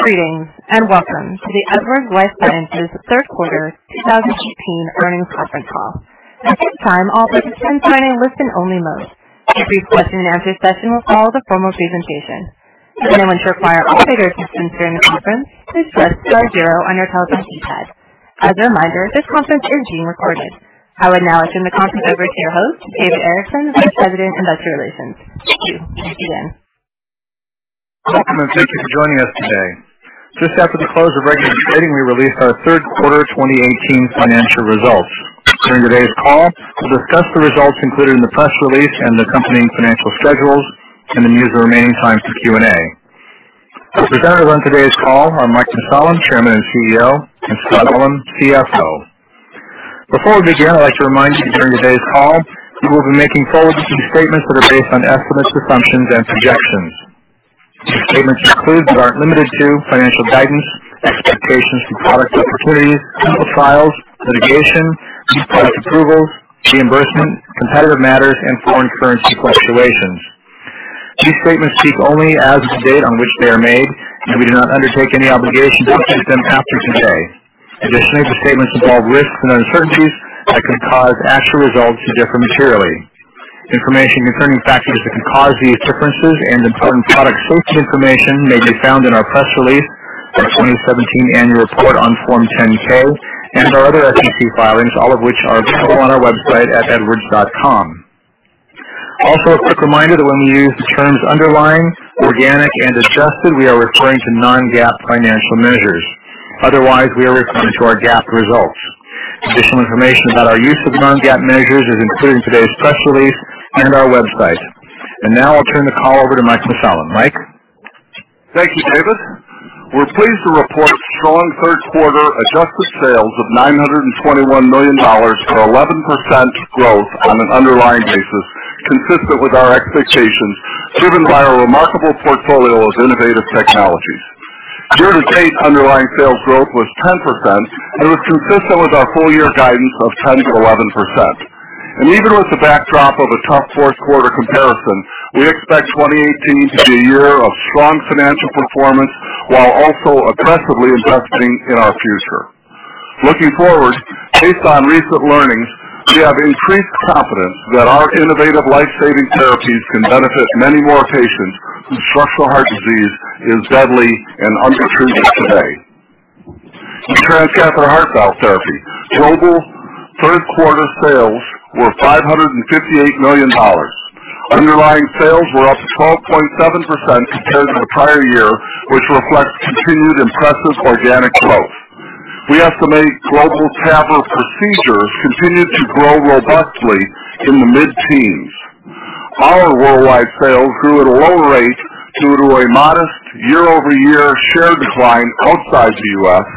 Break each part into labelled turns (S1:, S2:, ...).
S1: Greetings, and welcome to the Edwards Lifesciences third quarter 2018 earnings conference call. At this time, I will put the participants line in listen-only mode. A brief questionand-answer session will follow the formal presentation. Anyone who requires operator assistance during the conference, please press star zero on your telephone keypad. As a reminder, this conference is being recorded. I will now turn the conference over to your host, Dave Erickson, President, Investor Relations. Thank you. You may begin.
S2: Welcome, and thank you for joining us today. Just after the close of regular trading, we released our third quarter 2018 financial results. During today's call, we will discuss the results included in the press release and accompanying financial schedules, and then use the remaining time for Q&A. The presenters on today's call are Mike Mussallem, Chairman and CEO, and Scott Ullem, CFO. Before we begin, I would like to remind you during today's call we will be making forward-looking statements that are based on estimates, assumptions, and projections. These statements include but are not limited to financial guidance, expectations for product opportunities, clinical trials, litigation, product approvals, reimbursement, competitive matters, and foreign currency fluctuations. These statements speak only as of the date on which they are made, and we do not undertake any obligation to update them after today. Additionally, the statements involve risks and uncertainties that could cause actual results to differ materially. Information concerning factors that could cause these differences and important product safety information may be found in our press release, our 2017 annual report on Form 10-K, and our other SEC filings, all of which are available on our website at edwards.com. Also, a quick reminder that when we use the terms underlying, organic, and adjusted, we are referring to non-GAAP financial measures. Otherwise, we are referring to our GAAP results. Additional information about our use of non-GAAP measures is included in today's press release and our website. Now I will turn the call over to Mike Mussallem. Mike?
S3: Thank you, David. We are pleased to report strong third quarter adjusted sales of $921 million for 11% growth on an underlying basis, consistent with our expectations, driven by our remarkable portfolio of innovative technologies. Year to date, underlying sales growth was 10% and was consistent with our full year guidance of 10%-11%. Even with the backdrop of a tough fourth quarter comparison, we expect 2018 to be a year of strong financial performance while also aggressively investing in our future. Looking forward, based on recent learnings, we have increased confidence that our innovative life-saving therapies can benefit many more patients whose structural heart disease is deadly and untreated today. In transcatheter heart valve therapy, global third quarter sales were $558 million. Underlying sales were up 12.7% compared to the prior year, which reflects continued impressive organic growth. We estimate global TAVR procedures continued to grow robustly in the mid-teens. Our worldwide sales grew at a lower rate due to a modest year-over-year share decline outside the U.S.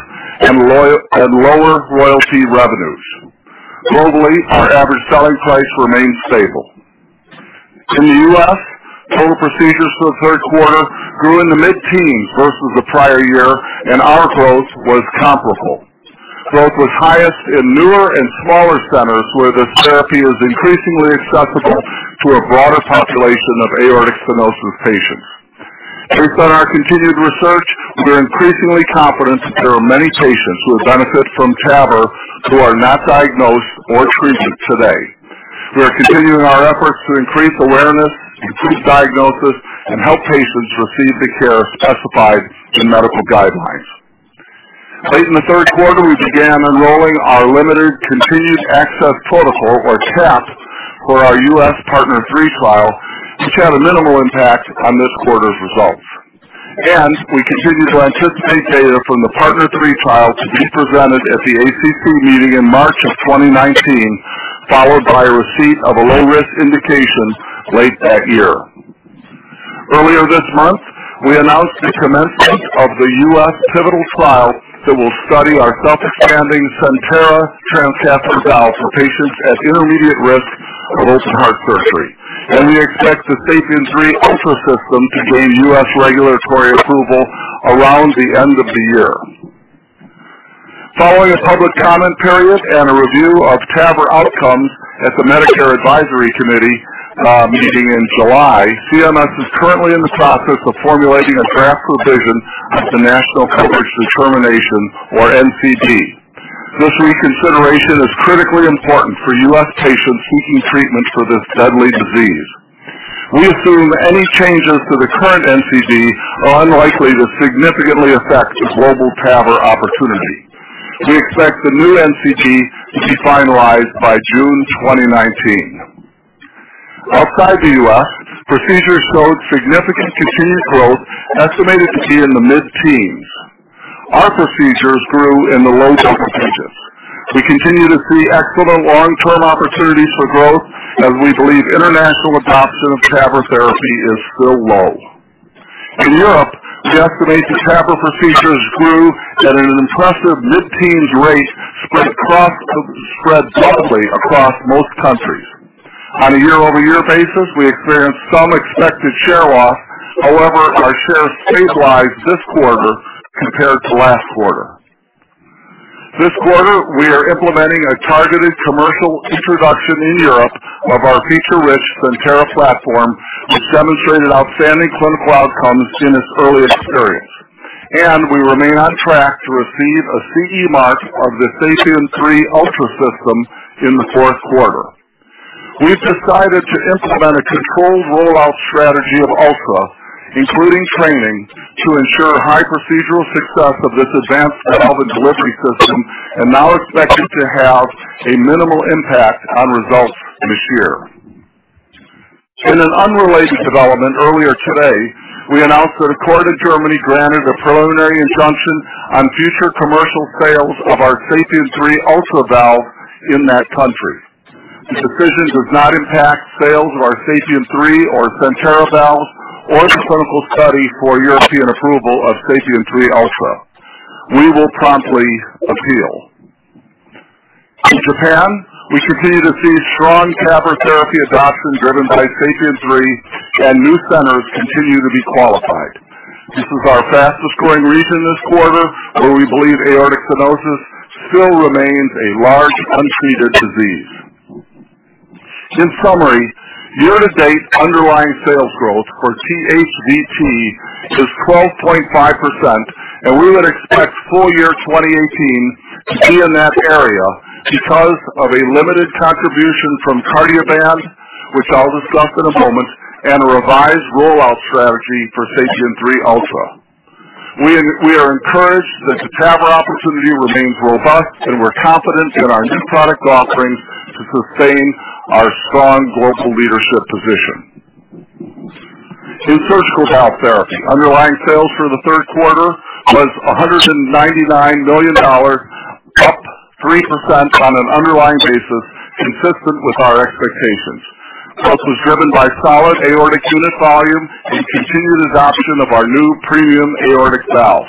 S3: and lower loyalty revenues. Globally, our average selling price remained stable. In the U.S., total procedures for the third quarter grew in the mid-teens versus the prior year, and our growth was comparable. Growth was highest in newer and smaller centers where this therapy is increasingly accessible to a broader population of aortic stenosis patients. Based on our continued research, we are increasingly confident that there are many patients who would benefit from TAVR who are not diagnosed or treated today. We are continuing our efforts to increase awareness, improve diagnosis, and help patients receive the care specified in medical guidelines. Late in the third quarter, we began enrolling our Limited Continued Access Protocol, or CAP, for our U.S. PARTNER 3 trial, which had a minimal impact on this quarter's results. We continue to anticipate data from the PARTNER 3 trial to be presented at the ACC meeting in March 2019, followed by receipt of a low-risk indication late that year. Earlier this month, we announced the commencement of the U.S. pivotal trial that will study our self-expanding Centera transcatheter valve for patients at intermediate risk of open heart surgery. We expect the SAPIEN 3 Ultra system to gain U.S. regulatory approval around the end of the year. Following a public comment period and a review of TAVR outcomes at the Medicare Advisory Committee meeting in July, CMS is currently in the process of formulating a draft revision of the National Coverage Determination, or NCD. This reconsideration is critically important for U.S. patients seeking treatment for this deadly disease. We assume any changes to the current NCD are unlikely to significantly affect the global TAVR opportunity. We expect the new NCD to be finalized by June 2019. Outside the U.S., procedures showed significant continued growth estimated to be in the mid-teens. Our procedures grew in the low single digits. We continue to see excellent long-term opportunities for growth as we believe international adoption of TAVR therapy is still low. In Europe, we estimate that TAVR procedures grew at an impressive mid-teens rate spread broadly across most countries. On a year-over-year basis, we experienced some expected share loss. However, our shares stabilized this quarter compared to last quarter. This quarter, we are implementing a targeted commercial introduction in Europe of our feature-rich Centera platform, which demonstrated outstanding clinical outcomes in its early experience. We remain on track to receive a CE mark of the SAPIEN 3 Ultra system in the fourth quarter. We've decided to implement a controlled rollout strategy of Ultra, including training, to ensure high procedural success of this advanced valve delivery system, and now expect it to have a minimal impact on results this year. In an unrelated development earlier today, we announced that a court in Germany granted a preliminary injunction on future commercial sales of our SAPIEN 3 Ultra valve in that country. This decision does not impact sales of our SAPIEN 3 or Centera valves or the clinical study for European approval of SAPIEN 3 Ultra. We will promptly appeal. In Japan, we continue to see strong TAVR therapy adoption driven by SAPIEN 3, and new centers continue to be qualified. This is our fastest-growing region this quarter, where we believe aortic stenosis still remains a large untreated disease. In summary, year-to-date underlying sales growth for THVT is 12.5%, and we would expect full year 2018 to be in that area because of a limited contribution from Cardioband, which I'll discuss in a moment, and a revised rollout strategy for SAPIEN 3 Ultra. We are encouraged that the TAVR opportunity remains robust, and we're confident in our new product offerings to sustain our strong global leadership position. In surgical valve therapy, underlying sales for the third quarter was $199 million, up 3% on an underlying basis, consistent with our expectations. Growth was driven by solid aortic unit volume and continued adoption of our new premium aortic valve.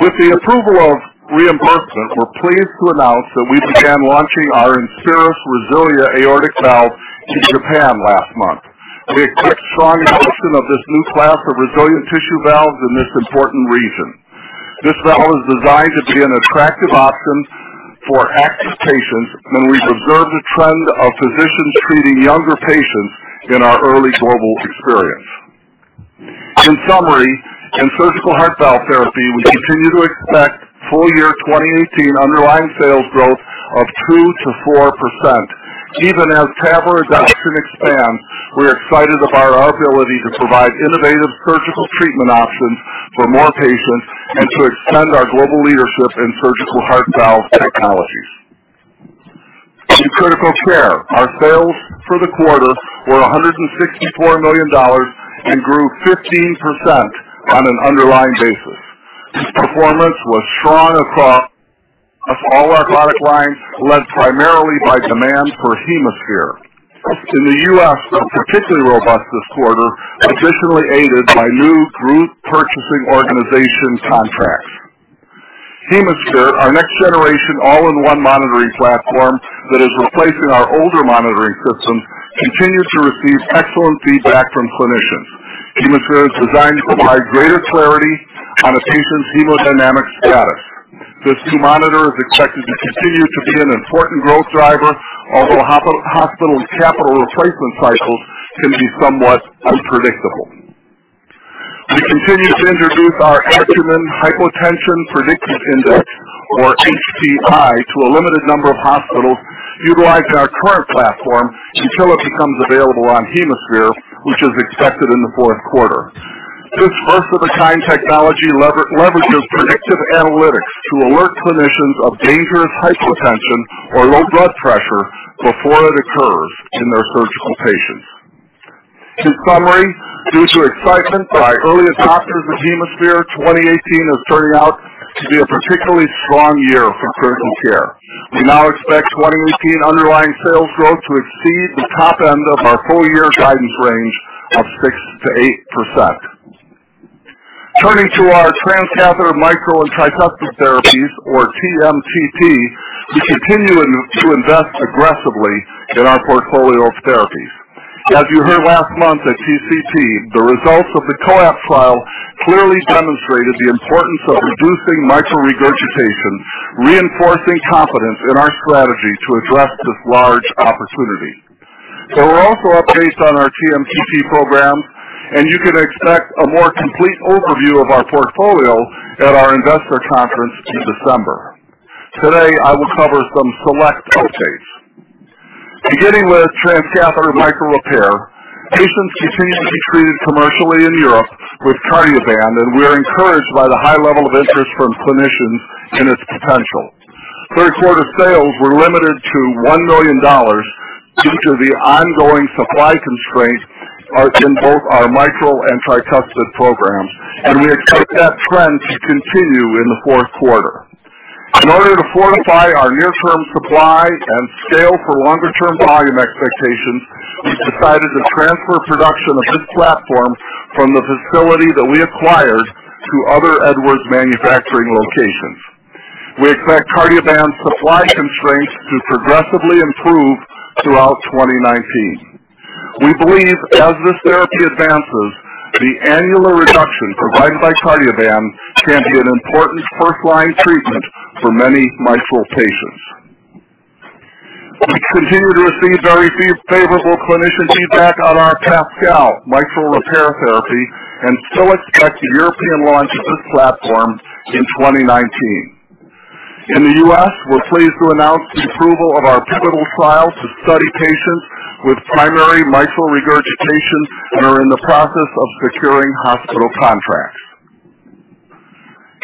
S3: With the approval of reimbursement, we're pleased to announce that we began launching our INSPIRIS RESILIA aortic valve to Japan last month. We expect strong adoption of this new class of RESILIA tissue valves in this important region. This valve is designed to be an attractive option for active patients, and we've observed a trend of physicians treating younger patients in our early global experience. In summary, in surgical heart valve therapy, we continue to expect full year 2018 underlying sales growth of 2%-4%. Even as TAVR adoption expands, we're excited by our ability to provide innovative surgical treatment options for more patients and to extend our global leadership in surgical heart valve technologies. In critical care, our sales for the quarter were $164 million and grew 15% on an underlying basis. This performance was strong across all our product lines, led primarily by demand for HemoSphere. In the U.S., it was particularly robust this quarter, additionally aided by new group purchasing organization contracts. HemoSphere, our next-generation all-in-one monitoring platform that is replacing our older monitoring systems, continues to receive excellent feedback from clinicians. HemoSphere is designed to provide greater clarity on a patient's hemodynamic status. This new monitor is expected to continue to be an important growth driver, although hospital capital replacement cycles can be somewhat unpredictable. We continue to introduce our Acumen Hypotension Prediction Index, or HPI, to a limited number of hospitals utilizing our current platform until it becomes available on HemoSphere, which is expected in the fourth quarter. This first-of-a-kind technology leverages predictive analytics to alert clinicians of dangerous hypotension or low blood pressure before it occurs in their surgical patients. In summary, due to excitement by early adopters of HemoSphere, 2018 is turning out to be a particularly strong year for critical care. We now expect 2018 underlying sales growth to exceed the top end of our full year guidance range of 6%-8%. Turning to our transcatheter mitral and tricuspid therapies, or TMTT, we continue to invest aggressively in our portfolio of therapies. As you heard last month at TCT, the results of the COAPT trial clearly demonstrated the importance of reducing mitral regurgitation, reinforcing confidence in our strategy to address this large opportunity. We're also updates on our TMTT program, and you can expect a more complete overview of our portfolio at our investor conference in December. Today, I will cover some select updates. Beginning with transcatheter mitral repair, patients continue to be treated commercially in Europe with Cardioband, and we are encouraged by the high level of interest from clinicians in its potential. Third quarter sales were limited to $1 million due to the ongoing supply constraints in both our micro and tricuspid programs. We expect that trend to continue in the fourth quarter. In order to fortify our near-term supply and scale for longer-term volume expectations, we've decided to transfer production of this platform from the facility that we acquired to other Edwards manufacturing locations. We expect Cardioband supply constraints to progressively improve throughout 2019. We believe as this therapy advances, the annular reduction provided by Cardioband can be an important first-line treatment for many mitral patients. We continue to receive very favorable clinician feedback on our PASCAL mitral repair therapy. We expect the European launch of this platform in 2019. In the U.S., we're pleased to announce the approval of our pivotal trial to study patients with primary mitral regurgitation and are in the process of securing hospital contracts.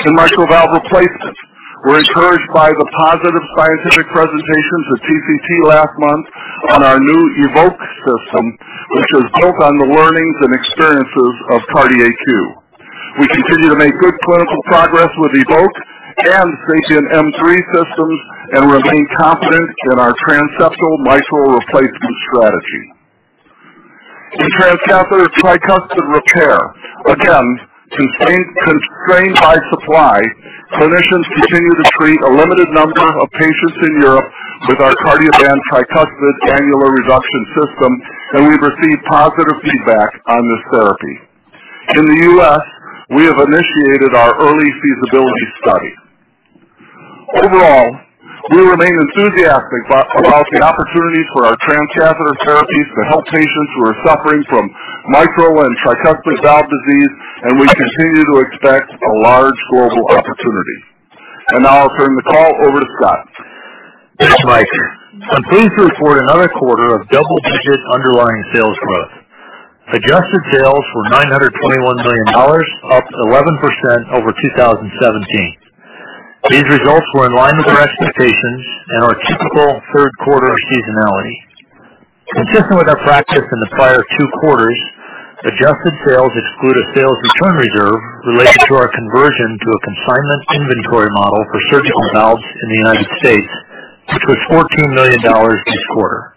S3: In mitral valve replacement, we're encouraged by the positive scientific presentations at TCT last month on our new EVOQUE system, which was built on the learnings and experiences of CardiAQ. We continue to make good clinical progress with EVOQUE and SAPIEN 3 systems and remain confident in our transseptal mitral replacement strategy. In transcatheter tricuspid repair, again, constrained by supply, clinicians continue to treat a limited number of patients in Europe with our Cardioband tricuspid annular reduction system. We've received positive feedback on this therapy. In the U.S., we have initiated our early feasibility study. Overall, we remain enthusiastic about the opportunities for our transcatheter therapies to help patients who are suffering from mitral and tricuspid valve disease. We continue to expect a large global opportunity. Now I'll turn the call over to Scott.
S4: Thanks, Mike. I'm pleased to report another quarter of double-digit underlying sales growth. Adjusted sales were $921 million, up 11% over 2017. These results were in line with our expectations and our typical third quarter seasonality. Consistent with our practice in the prior two quarters, adjusted sales exclude a sales return reserve related to our conversion to a consignment inventory model for surgical valves in the United States, which was $14 million this quarter.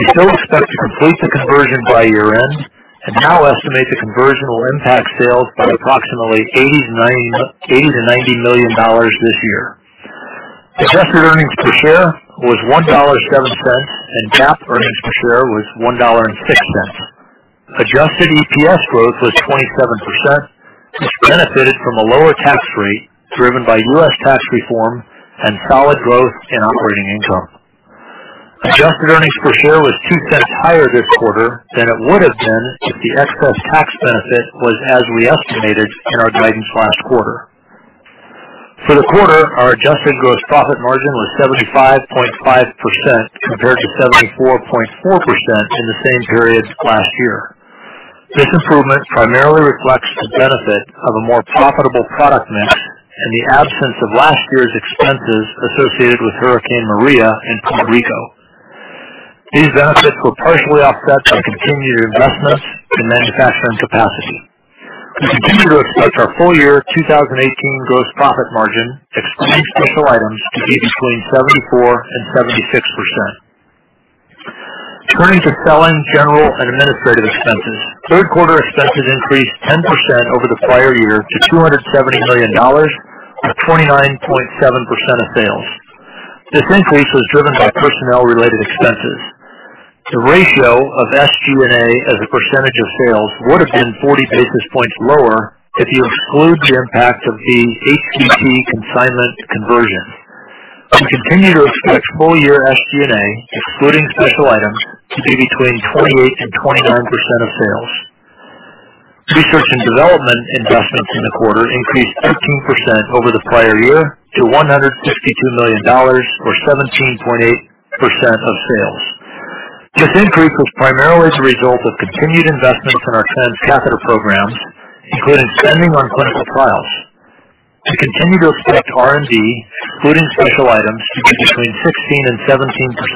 S4: We still expect to complete the conversion by year-end and now estimate the conversion will impact sales by approximately $80 million-$90 million this year. Adjusted earnings per share was $1.07. GAAP earnings per share was $1.06. Adjusted EPS growth was 27%, which benefited from a lower tax rate driven by U.S. tax reform and solid growth in operating income. Adjusted earnings per share was $0.02 higher this quarter than it would have been if the excess tax benefit was as we estimated in our guidance last quarter. For the quarter, our adjusted gross profit margin was 75.5% compared to 74.4% in the same period last year. This improvement primarily reflects the benefit of a more profitable product mix and the absence of last year's expenses associated with Hurricane Maria in Puerto Rico. These benefits were partially offset by continued investments in manufacturing capacity. We continue to expect our full year 2018 gross profit margin, excluding special items, to be between 74% and 76%. Turning to selling, general and administrative expenses. Third quarter expenses increased 10% over the prior year to $270 million or 29.7% of sales. This increase was driven by personnel-related expenses. The ratio of SG&A as a percentage of sales would have been 40 basis points lower if you exclude the impact of the HVT consignment conversion. We continue to expect full year SG&A, excluding special items, to be between 28%-29% of sales. Research and development investments in the quarter increased 18% over the prior year to $162 million or 17.8% of sales. This increase was primarily as a result of continued investments in our transcatheter programs, including spending on clinical trials. We continue to expect R&D, excluding special items, to be between 16%-17%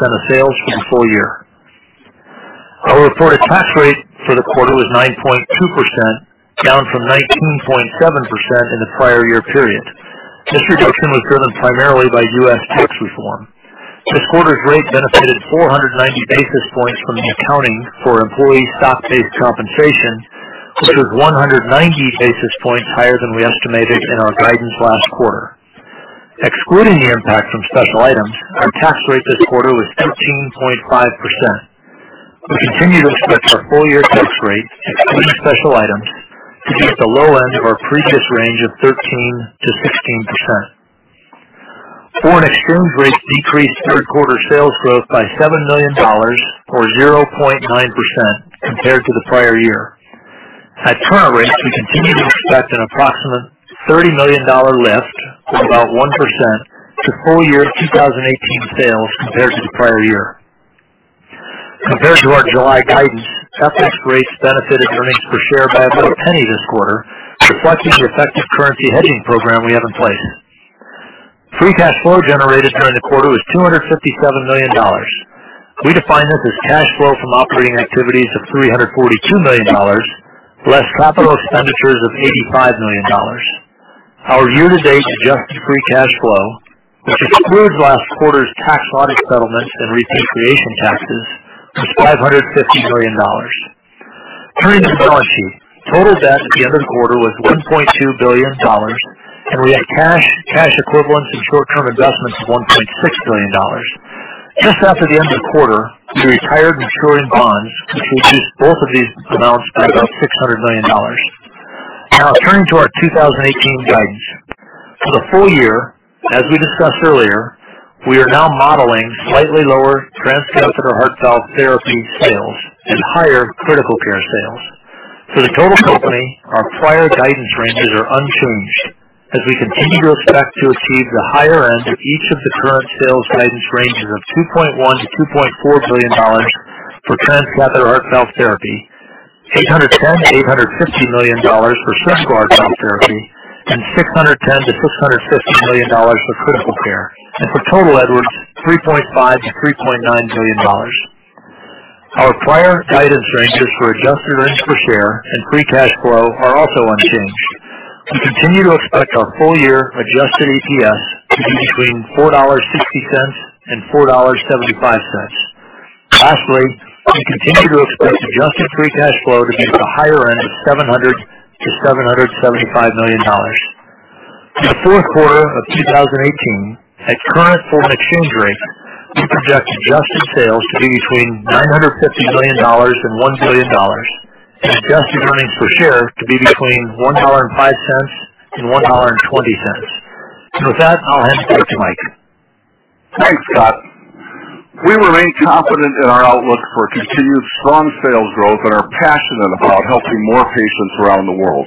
S4: of sales for the full year. Our reported tax rate for the quarter was 9.2%, down from 19.7% in the prior year period. This reduction was driven primarily by U.S. tax reform. This quarter's rate benefited 490 basis points from the accounting for employee stock-based compensation, which was 190 basis points higher than we estimated in our guidance last quarter. Excluding the impact from special items, our tax rate this quarter was 13.5%. We continue to expect our full year tax rate, excluding special items, to be at the low end of our previous range of 13%-16%. Foreign exchange rates decreased third quarter sales growth by $7 million or 0.9% compared to the prior year. At current rates, we continue to expect an approximate $30 million lift or about 1% to full year 2018 sales compared to the prior year. Compared to our July guidance, FX rates benefited earnings per share by about $0.01 this quarter, reflecting the effective currency hedging program we have in place. Free cash flow generated during the quarter was $257 million. We define this as cash flow from operating activities of $342 million, less capital expenditures of $85 million. Our year-to-date adjusted free cash flow, which excludes last quarter's tax audit settlements and repatriation taxes, was $550 million. Turning to the balance sheet. Total debt at the end of the quarter was $1.2 billion, and we had cash equivalents, and short-term investments of $1.6 billion. Just after the end of the quarter, we retired maturing bonds, which reduced both of these amounts by about $600 million. Now turning to our 2018 guidance. For the full year, as we discussed earlier, we are now modeling slightly lower Transcatheter Heart Valve Therapy sales and higher Critical Care sales. For the total company, our prior guidance ranges are unchanged, as we continue to expect to achieve the higher end of each of the current sales guidance ranges of $2.1 billion-$2.4 billion for Transcatheter Heart Valve Therapy, $810 million-$850 million for Surgical Heart Valve Therapy, and $610 million-$650 million for Critical Care. For total Edwards, $3.5 billion-$3.9 billion. Our prior guidance ranges for adjusted earnings per share and free cash flow are also unchanged. We continue to expect our full-year adjusted EPS to be between $4.60-$4.75. Lastly, we continue to expect adjusted free cash flow to be at the higher end of $700 million-$775 million. For the fourth quarter of 2018, at current foreign exchange rates, we project adjusted sales to be between $950 million-$1 billion, and adjusted earnings per share to be between $1.05-$1.20.With that, I'll hand it back to Mike.
S3: Thanks, Scott. We remain confident in our outlook for continued strong sales growth and are passionate about helping more patients around the world.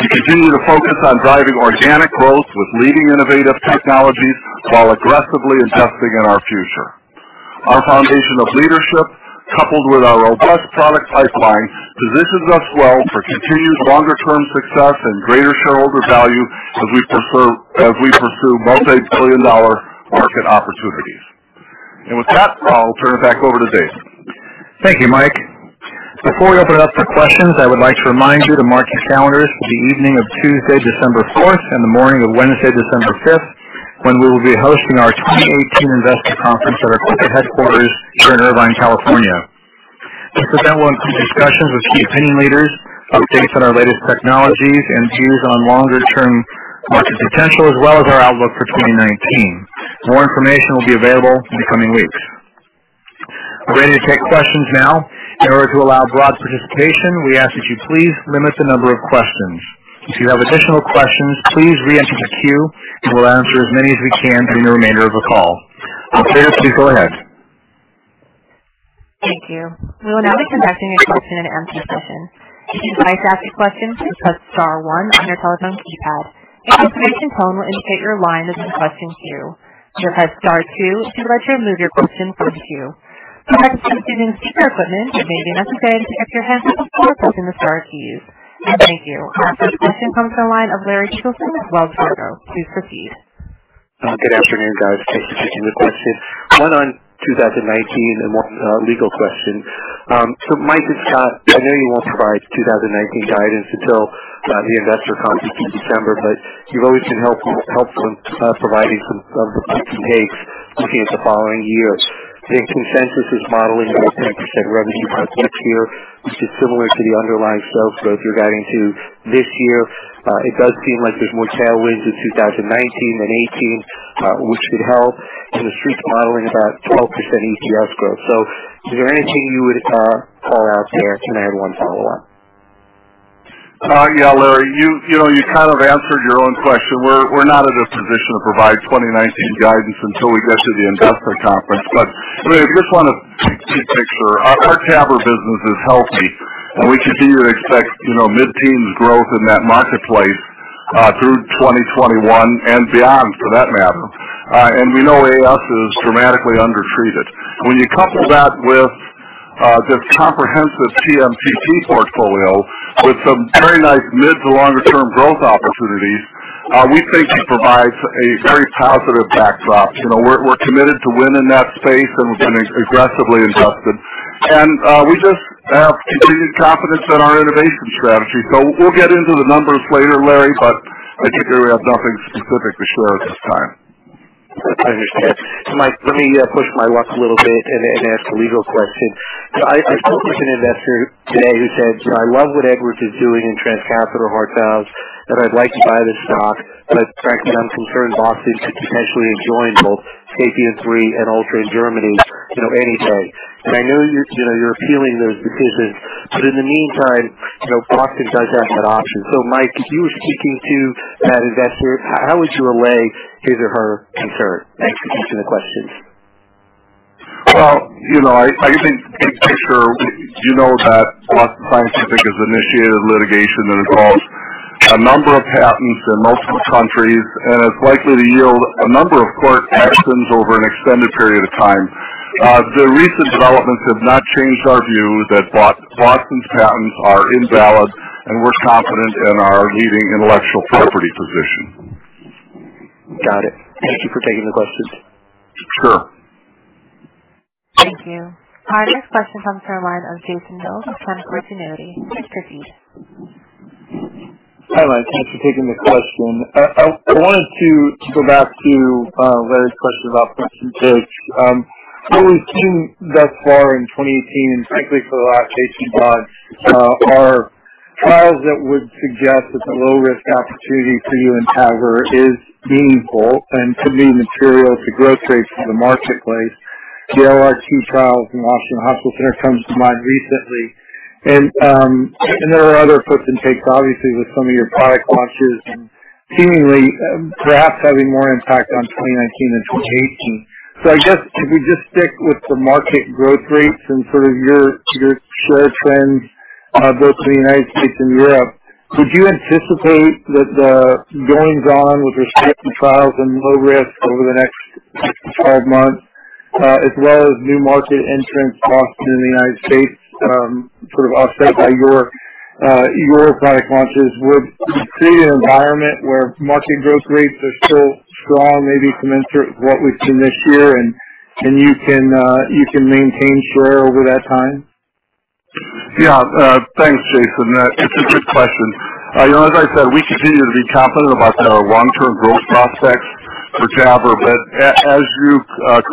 S3: We continue to focus on driving organic growth with leading innovative technologies while aggressively investing in our future. Our foundation of leadership, coupled with our robust product pipeline, positions us well for continued longer-term success and greater shareholder value as we pursue multi-billion-dollar market opportunities. With that, I'll turn it back over to Dave.
S2: Thank you, Mike. Before we open it up for questions, I would like to remind you to mark your calendars for the evening of Tuesday, December 4th, and the morning of Wednesday, December 5th, when we will be hosting our 2018 Investor Conference at our corporate headquarters here in Irvine, California. This event will include discussions with key opinion leaders, updates on our latest technologies, and views on longer-term market potential, as well as our outlook for 2019. More information will be available in the coming weeks. We're ready to take questions now. In order to allow broad participation, we ask that you please limit the number of questions. If you have additional questions, please re-enter the queue, and we'll answer as many as we can during the remainder of the call. Operator, please go ahead.
S1: Thank you. We will now be commencing a question-and-answer session. If you'd like to ask a question, please press star one on your telephone keypad. A confirmation tone will indicate your line is in the question queue. You may press star two if you'd like to remove your question from the queue. For participants using speaker equipment, it may be necessary to pick up your handset before pressing the star keys. Thank you. Our first question comes from the line of Larry Biegelsen with Wells Fargo. Please proceed.
S5: Good afternoon, guys. Thanks for taking the questions. One on 2019 and one legal question. Mike and Scott, I know you won't provide 2019 guidance until the investor conference in December, but you've always been helpful in providing some of the puts and takes looking at the following year. I think consensus is modeling about 10% revenue growth next year, which is similar to the underlying sales growth you're guiding to this year. It does seem like there's more tailwinds in 2019 than 2018, which could help. The Street's modeling about 12% EPS growth. Is there anything you would call out there? I have one follow-up.
S3: Yeah, Larry, you kind of answered your own question. We're not in a position to provide 2019 guidance until we get to the investor conference. I just want to big picture. Our TAVR business is healthy, and we continue to expect mid-teens growth in that marketplace through 2021 and beyond, for that matter. We know AS is dramatically under-treated. When you couple that with this comprehensive TMTT portfolio with some very nice mid to longer term growth opportunities, we think it provides a very positive backdrop. We're committed to win in that space, and we've been aggressively invested. We just have continued confidence in our innovation strategy. We'll get into the numbers later, Larry, but I think we have nothing specific to share at this time.
S5: I understand. Mike, let me push my luck a little bit and ask a legal question. I spoke with an investor today who said, "I love what Edwards is doing in transcatheter heart valves, and I'd like to buy this stock, but frankly, I'm concerned Boston could potentially enjoin both SAPIEN 3 and Ultra in Germany any day." I know you're appealing those decisions, but in the meantime, Boston does have that option. Mike, if you were speaking to that investor, how would you allay his or her concern? Thanks for taking the questions.
S3: Well, I think big picture, you know that Boston Scientific has initiated litigation that involves a number of patents in multiple countries, and it's likely to yield a number of court actions over an extended period of time. The recent developments have not changed our view that Boston's patents are invalid, and we're confident in our leading intellectual property position.
S5: Got it. Thank you for taking the questions.
S3: Sure.
S1: Thank you. Our next question comes from the line of Jason Mills from Canaccord Genuity. Please proceed.
S6: Hi, Mike. Thanks for taking the question. I wanted to go back to Larry's question about puts and takes. What we've seen thus far in 2018, and frankly for the last 18 months, are trials that would suggest that the low-risk opportunity for you in TAVR is meaningful and could be material to growth rates in the marketplace. The LR2 trials in Austin Health comes to mind recently. There are other puts and takes, obviously, with some of your product launches and seemingly perhaps having more impact on 2019 than 2018. If we just stick with the market growth rates and sort of your share trends, both in the U.S. and Europe, could you anticipate that the goings-on with respect to trials and low risk over the next 12 months as well as new market entrants, Boston Scientific in the U.S. sort of offset by your product launches, would you see an environment where market growth rates are still strong, maybe commensurate with what we've seen this year, and you can maintain share over that time?
S3: Yeah. Thanks, Jason. It's a good question. As I said, we continue to be confident about our long-term growth prospects for TAVR. As you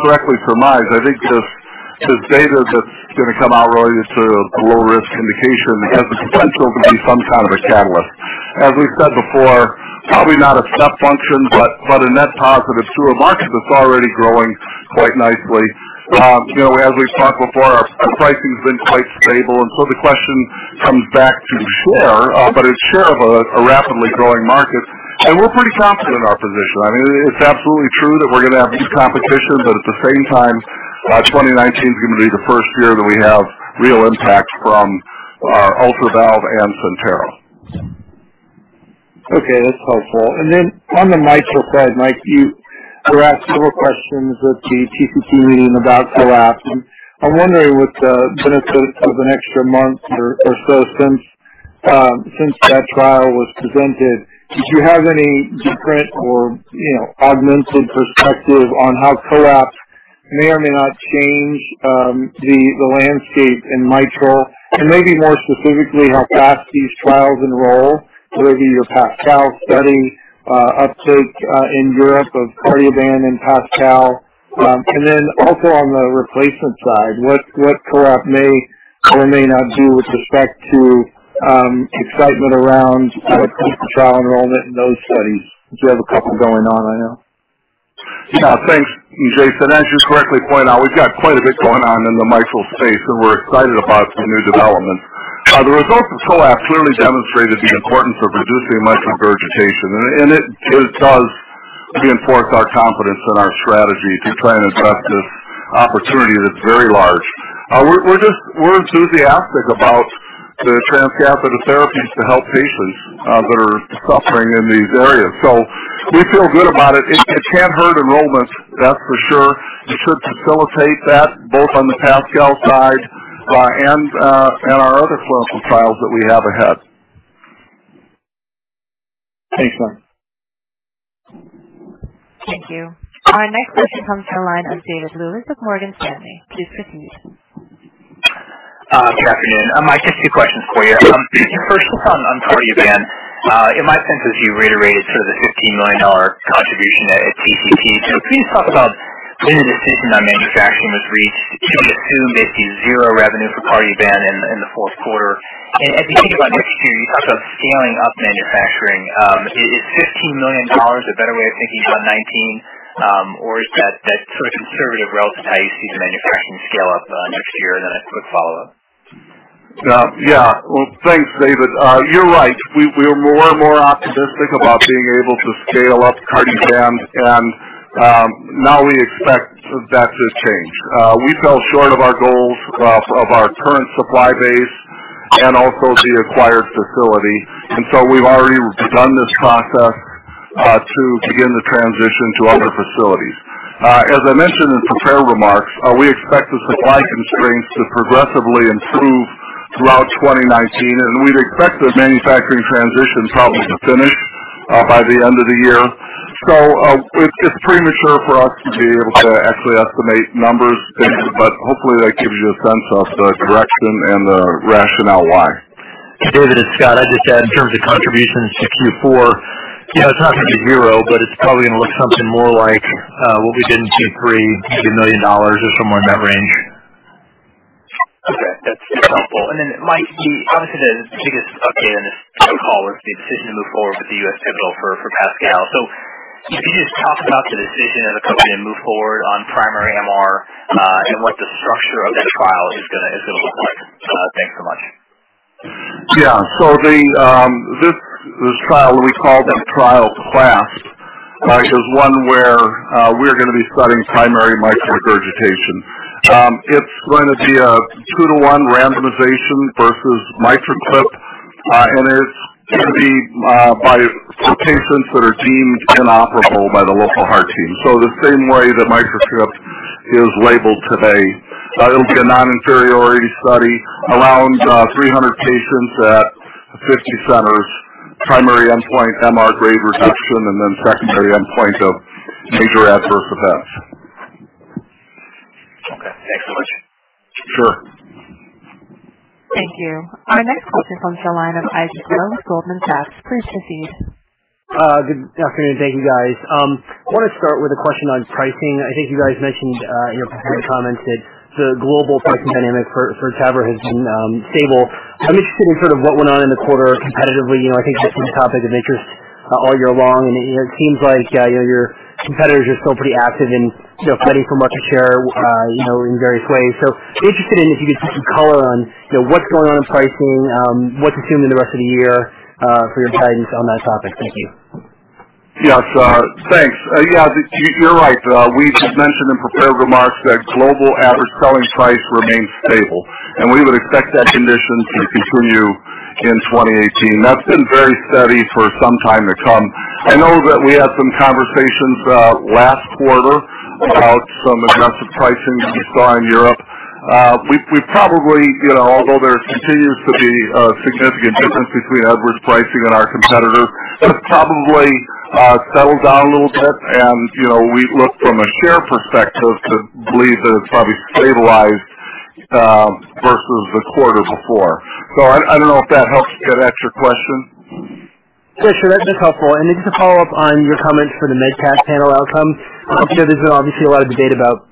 S3: correctly surmise, I think the data that's going to come out related to low-risk indication has the potential to be some kind of a catalyst. As we've said before, probably not a step function, but a net positive to a market that's already growing quite nicely. As we've talked before, our pricing's been quite stable, the question comes back to share, but it's share of a rapidly growing market, and we're pretty confident in our position. It's absolutely true that we're going to have new competition, at the same time, 2019's going to be the first year that we have real impact from our Ultra valve and Centera.
S6: Okay, that's helpful. On the mitral side, Mike, there were several questions at the TCT meeting about COAPT, and I'm wondering with the benefit of an extra month or so since that trial was presented, did you have any different or augmented perspective on how COAPT may or may not change the landscape in mitral? Maybe more specifically, how fast these trials enroll, whether your PASCAL study uptake in Europe of Cardioband and PASCAL. Also on the replacement side, what COAPT may or may not do with respect to excitement around future trial enrollment in those studies, because you have a couple going on right now.
S3: Yeah. Thanks, Jason. As you correctly point out, we've got quite a bit going on in the mitral space, and we're excited about some new developments. The results of COAPT clearly demonstrated the importance of reducing mitral regurgitation, and it does reinforce our confidence in our strategy to try and address this opportunity that's very large. We're enthusiastic about the transcatheter therapies to help patients that are suffering in these areas. We feel good about it. It can't hurt enrollment, that's for sure. It should facilitate that both on the PASCAL side and our other clinical trials that we have ahead.
S6: Thanks, Mike.
S1: Thank you. Our next question comes from the line of David Lewis with Morgan Stanley. Please proceed.
S7: Good afternoon. Mike, just two questions for you. First one on Cardioband. My sense is you reiterated sort of the $15 million contribution at TCT. Can you talk about when the decision on manufacturing was reached? Can we assume it's zero revenue for Cardioband in the fourth quarter? As we think about next year, you talk about scaling up manufacturing. Is $15 million a better way of thinking about 2019, or is that sort of conservative relative to how you see the manufacturing scale up next year? Then a sort of follow-up.
S3: Yeah. Well, thanks, David. You're right. We were more and more optimistic about being able to scale up Cardioband, and now we expect that to change. We fell short of our goals of our current supply base and also the acquired facility, and so we've already begun this process to begin the transition to other facilities. As I mentioned in prepared remarks, we expect the supply constraints to progressively improve throughout 2019, and we'd expect the manufacturing transition probably to finish by the end of the year. It's premature for us to be able to actually estimate numbers, David, but hopefully that gives you a sense of the direction and the rationale why.
S4: David, it's Scott. I'd just add in terms of contributions to Q4, it's not going to be zero, but it's probably going to look something more like what we did in Q3, maybe $1 million or somewhere in that range.
S7: Okay. That's helpful. Mike, obviously the biggest update on this call was the decision to move forward with the U.S. pivotal for PASCAL. Can you just talk about the decision of the company to move forward on primary MR and what the structure of that trial is going to look like? Thanks so much.
S3: Yeah. This trial, we call the trial CLASP, is one where we're going to be studying primary mitral regurgitation. It's going to be a two-to-one randomization versus MitraClip, and it's going to be for patients that are deemed inoperable by the local heart team. The same way that MitraClip is labeled today. It'll be a non-inferiority study, around 300 patients at 50 centers. Primary endpoint, MR grade reduction, and then secondary endpoint of major adverse events.
S7: Thanks so much.
S3: Sure.
S1: Thank you. Our next question comes from the line of Isaac Ro, Goldman Sachs. Please proceed.
S8: Good afternoon. Thank you, guys. I want to start with a question on pricing. I think you guys mentioned in your prepared comments that the global pricing dynamic for TAVR has been stable. I'm interested in sort of what went on in the quarter competitively. I think that's been a topic of interest all year long, and it seems like your competitors are still pretty active in fighting for market share in various ways. Interested in if you could put some color on what's going on in pricing, what to assume in the rest of the year for your guidance on that topic. Thank you.
S3: Yes. Thanks. Yeah, you're right. We had mentioned in prepared remarks that global average selling price remains stable, and we would expect that condition to continue in 2018. That's been very steady for some time to come. I know that we had some conversations last quarter about some aggressive pricing that we saw in Europe. Although there continues to be a significant difference between average pricing and our competitors, it's probably settled down a little bit, and we look from a share perspective to believe that it's probably stabilized versus the quarter before. I don't know if that helps get at your question.
S8: Yeah, sure. That's helpful. Just to follow up on your comments for the MedCAC panel outcome. I'm sure there's been obviously a lot of debate about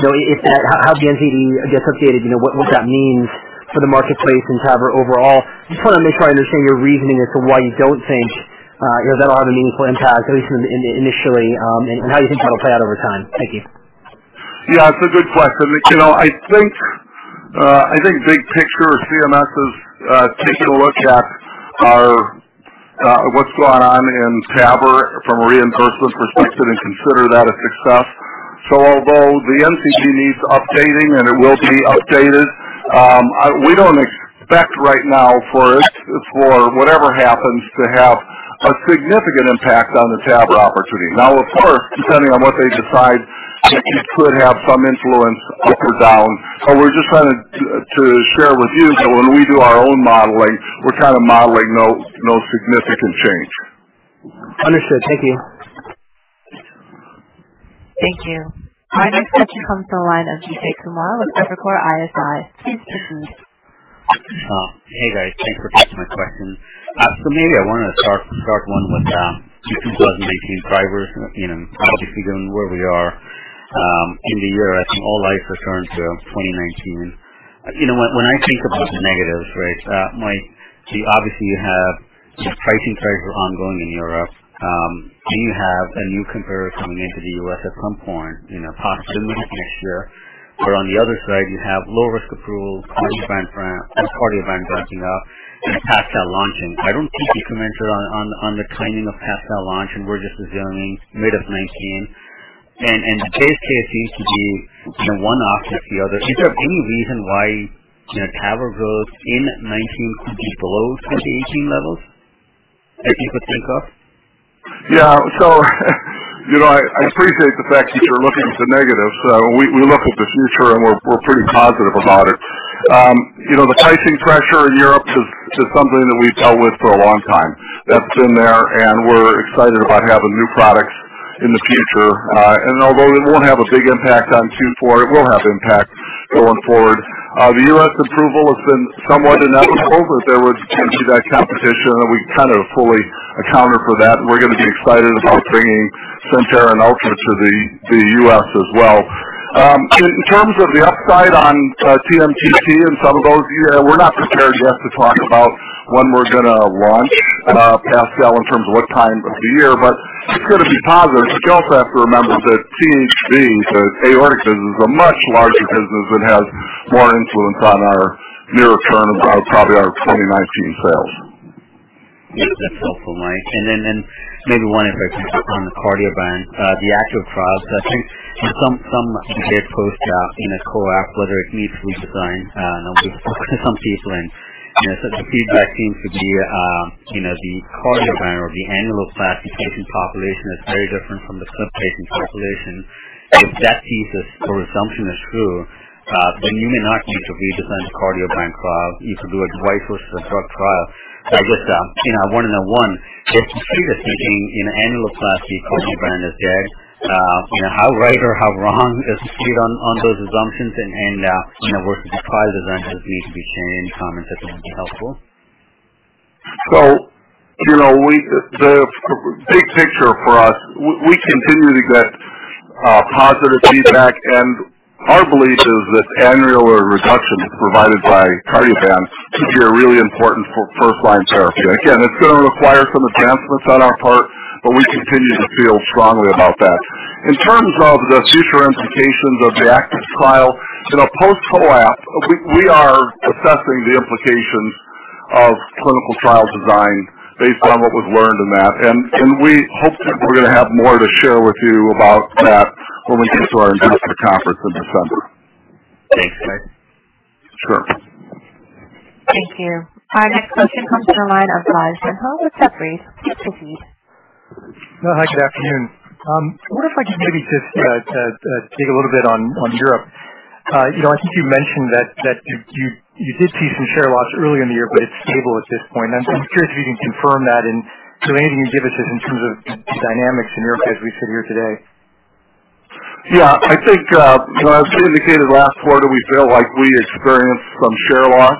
S8: how the NCD gets updated, what that means for the marketplace and TAVR overall. Just want to make sure I understand your reasoning as to why you don't think that'll have a meaningful impact, at least initially, and how you think that'll play out over time. Thank you.
S3: Yeah. It's a good question. I think big picture, CMS is taking a look at what's going on in TAVR from a reimbursement perspective and consider that a success. Although the NCD needs updating and it will be updated, we don't expect right now for whatever happens to have a significant impact on the TAVR opportunity. Now, of course, depending on what they decide, it could have some influence up or down, but we're just trying to share with you that when we do our own modeling, we're kind of modeling no significant change.
S8: Understood. Thank you.
S1: Thank you. Our next question comes from the line of Vijay Kumar with Evercore ISI. Please proceed.
S9: Hey, guys. Thanks for taking my questions. Maybe I want to start one with 2019 drivers. Obviously given where we are in the year as an old life return to 2019. When I think about the negatives, Mike, obviously you have pricing pressure ongoing in Europe. Then you have a new competitor coming into the U.S. at some point, possibly next year. But on the other side, you have low risk approval, Cardioband backing up and PASCAL launching. I don't think you commented on the timing of PASCAL launch, and we're just assuming mid-2019. This case seems to be one offset the other. Is there any reason why TAVR growth in 2019 could be below 2018 levels that you could think of?
S3: I appreciate the fact that you're looking at the negatives. We look at the future, and we're pretty positive about it. The pricing pressure in Europe is just something that we've dealt with for a long time. That's in there, and we're excited about having new products in the future. Although it won't have a big impact on Q4, it will have impact going forward. The U.S. approval has been somewhat inevitable that there would be that competition, and we've kind of fully accounted for that, and we're going to be excited about bringing Centera and Ultra to the U.S. as well. In terms of the upside on TMTT and some of those, we're not prepared yet to talk about when we're going to launch PASCAL in terms of what time of the year, but it's going to be positive. You also have to remember that THV, the aortic business, is a much larger business that has more influence on our near-term, probably our 2019 sales.
S9: Yeah. That's helpful, Mike. Maybe one, if I can, on the Cardioband, the ACTIVE trial. I think some data post-CAP, in a COAPT, whether it needs redesign, I've heard some people and the feedback seems to be the Cardioband or the annular class, the patient population is very different from the clip patient population. If that thesis or assumption is true, you may not need to redesign the Cardioband trial. You could do a device versus a drug trial. I just wanted to, one, get your street of thinking in annular class, the Cardioband is dead. How right or how wrong is the street on those assumptions? Were the trial designs need to be changed? Comments at that would be helpful.
S3: The big picture for us, we continue to get positive feedback, and our belief is that annular reduction provided by Cardioband could be a really important first-line therapy. Again, it's going to require some advancements on our part, but we continue to feel strongly about that. In terms of the future implications of the ACTIVE trial, post-COAPT, we are assessing the implications of clinical trial design based on what was learned in that, and we hope that we're going to have more to share with you about that when we get to our Investor Conference in December.
S9: Thanks, Mike.
S3: Sure.
S1: Thank you. Our next question comes from the line of Raj Denhoy with Jefferies. Please proceed.
S10: Hi, good afternoon. I wonder if I could maybe just dig a little bit on Europe. I think you mentioned that you did see some share loss early in the year, but it's stable at this point. I'm curious if you can confirm that. Anything you can give us just in terms of dynamics in Europe as we sit here today?
S3: Yeah, I think when I indicated last quarter, we feel like we experienced some share loss.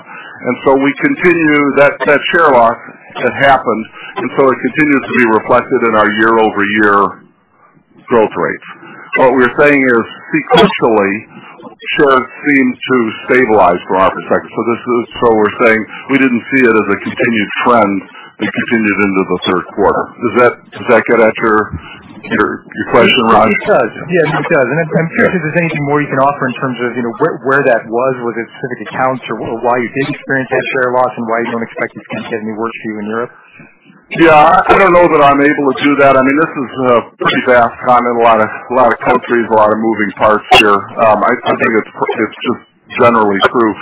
S3: That share loss had happened, it continues to be reflected in our year-over-year growth rates. What we're saying is sequentially, shares seem to stabilize for our perspective. We're saying we didn't see it as a continued trend that continued into the third quarter. Does that get at your question, Raj?
S10: It does. Yeah, it does. I'm curious if there's anything more you can offer in terms of where that was it specific accounts or why you did experience that share loss and why you don't expect it's going to get any worse for you in Europe?
S3: Yeah. I don't know that I'm able to do that. This is pretty vast. I'm in a lot of countries, a lot of moving parts here. I think it's just generally true.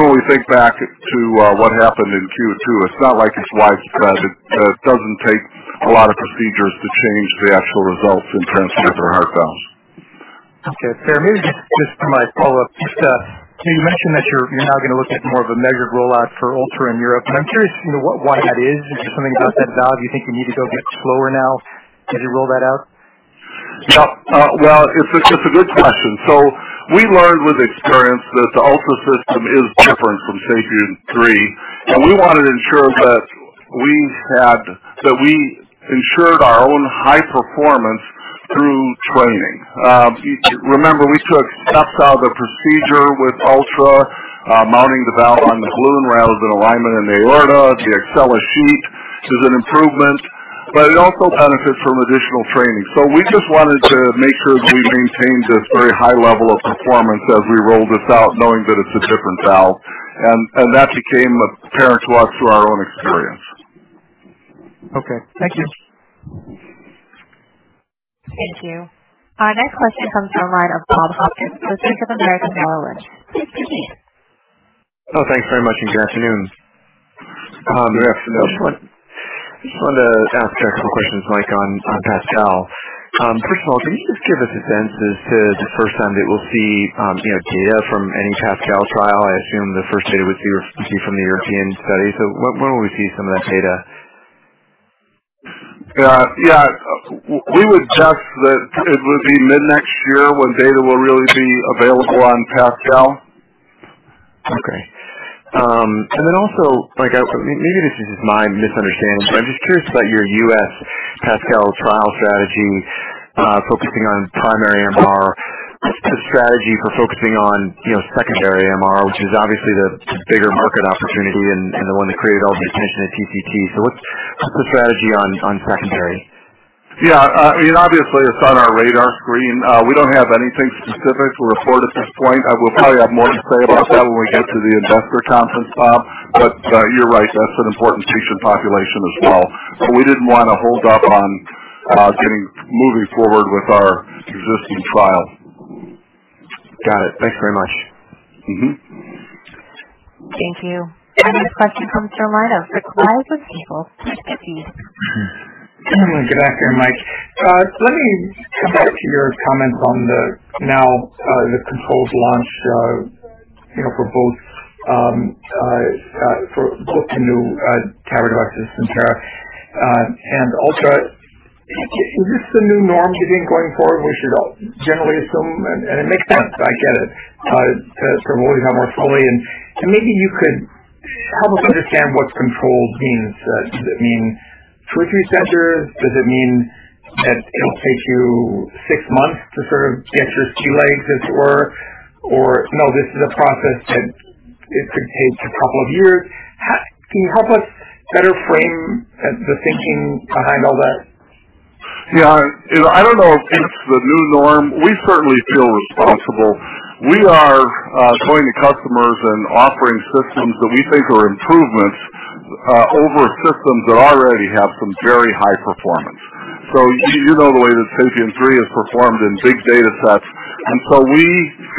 S3: When we think back to what happened in Q2, it's not like it's widespread. It doesn't take a lot of procedures to change the actual results in transcatheter heart valves.
S10: Okay. Fair. Maybe for my follow-up, you mentioned that you're now going to look at more of a measured rollout for Ultra in Europe, and I'm curious why that is. Is there something about that valve you think you need to go a bit slower now as you roll that out?
S3: Well, it's a good question. We learned with experience that the Ultra system is different from SAPIEN 3, and we wanted to ensure that we ensured our own high performance through training. Remember, we took steps out of the procedure with Ultra, mounting the valve on the balloon rather than alignment in the aorta. The Axela sheath is an improvement, but it also benefits from additional training. We just wanted to make sure we maintained this very high level of performance as we rolled this out, knowing that it's a different valve. That became apparent to us through our own experience.
S10: Okay. Thank you.
S1: Thank you. Our next question comes from the line of Rob Hopkins with Bank of America Merrill Lynch.
S11: Oh, thanks very much. Good afternoon.
S3: Good afternoon.
S11: Just wanted to ask a couple questions, Mike, on PASCAL. First of all, can you just give us a sense as to the first time that we'll see data from any PASCAL trial? I assume the first data we see will be from the European study. When will we see some of that data?
S3: Yeah. We would guess that it would be mid-next year when data will really be available on PASCAL.
S11: Okay. Also, maybe this is just my misunderstanding, but I'm just curious about your U.S. PASCAL trial strategy, focusing on primary MR, the strategy for focusing on secondary MR, which is obviously the bigger market opportunity and the one that created all the attention at TCT. What's the strategy on secondary?
S3: Yeah. Obviously it's on our radar screen. We don't have anything specific to report at this point. We'll probably have more to say about that when we get to the investor conference, Bob. You're right, that's an important patient population as well. We didn't want to hold up on moving forward with our existing trial.
S11: Got it. Thanks very much.
S1: Thank you. Our next question comes from the line of Rich Ascough.
S12: Good afternoon, Mike. Let me come back to your comments on the now controlled launch for both the new TAVR devices, Centera and Ultra. Is this the new norm you think going forward we should all generally assume? It makes sense, I get it, to promote it now more fully. Maybe you could help us understand what controlled means. Does it mean two or three centers? Does it mean that it'll take you six months to sort of get your sea legs as it were? No, this is a process that it could take a couple of years. Can you help us better frame the thinking behind all that?
S3: Yeah. I don't know if it's the new norm. We certainly feel responsible. We are going to customers and offering systems that we think are improvements over systems that already have some very high performance. So you know the way that SAPIEN 3 has performed in big data sets. We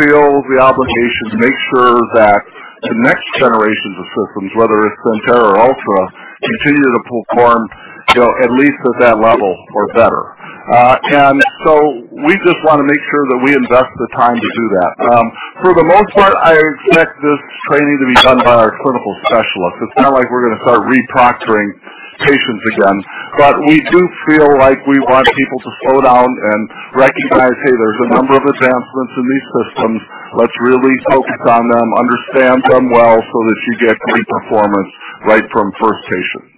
S3: feel the obligation to make sure that the next generations of systems, whether it's Centera or Ultra, continue to perform at least at that level or better. We just want to make sure that we invest the time to do that. For the most part, I expect this training to be done by our clinical specialists. It's not like we're going to start re-proctoring patients again. We do feel like we want people to slow down and recognize, "Hey, there's a number of advancements in these systems. Let's really focus on them, understand them well, so that you get great performance right from first patient.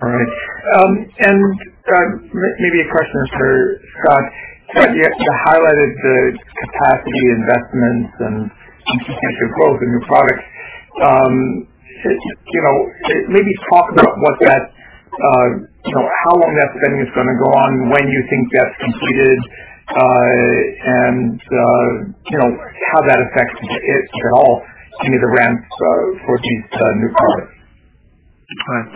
S12: All right. Maybe a question for Scott. You highlighted the capacity investments and significant growth in new products. Maybe talk about how long that spending is going to go on, when you think that's completed, and how that affects, if at all, any of the ramps for these new products.
S4: Right.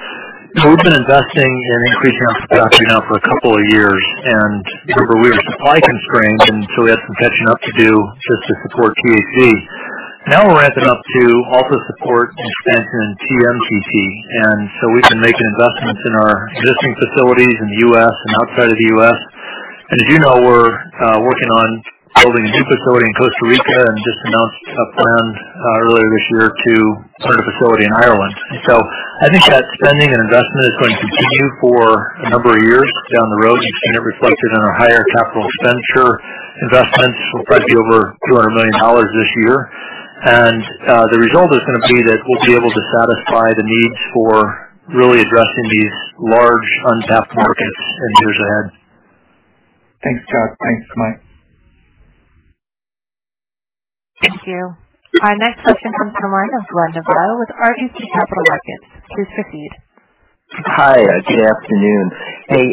S4: We've been investing in increasing our capacity now for a couple of years, and remember, we were supply constrained. We had some catching up to do just to support THV. Now we're ramping up to also support expansion in TMTT. We've been making investments in our existing facilities in the U.S. and outside of the U.S. As you know, we're working on building a new facility in Costa Rica and just announced a plan earlier this year to start a facility in Ireland. I think that spending and investment is going to continue for a number of years down the road. You've seen it reflected in our higher capital expenditure investments. We'll probably be over $200 million this year. The result is going to be that we'll be able to satisfy the needs for really addressing these large, untapped markets in the years ahead.
S12: Thanks, Scott. Thanks, Mike.
S1: Thank you. Our next question comes from the line of Glenn Novarro with RBC Capital Markets. Please proceed.
S13: Hi. Good afternoon. Hey,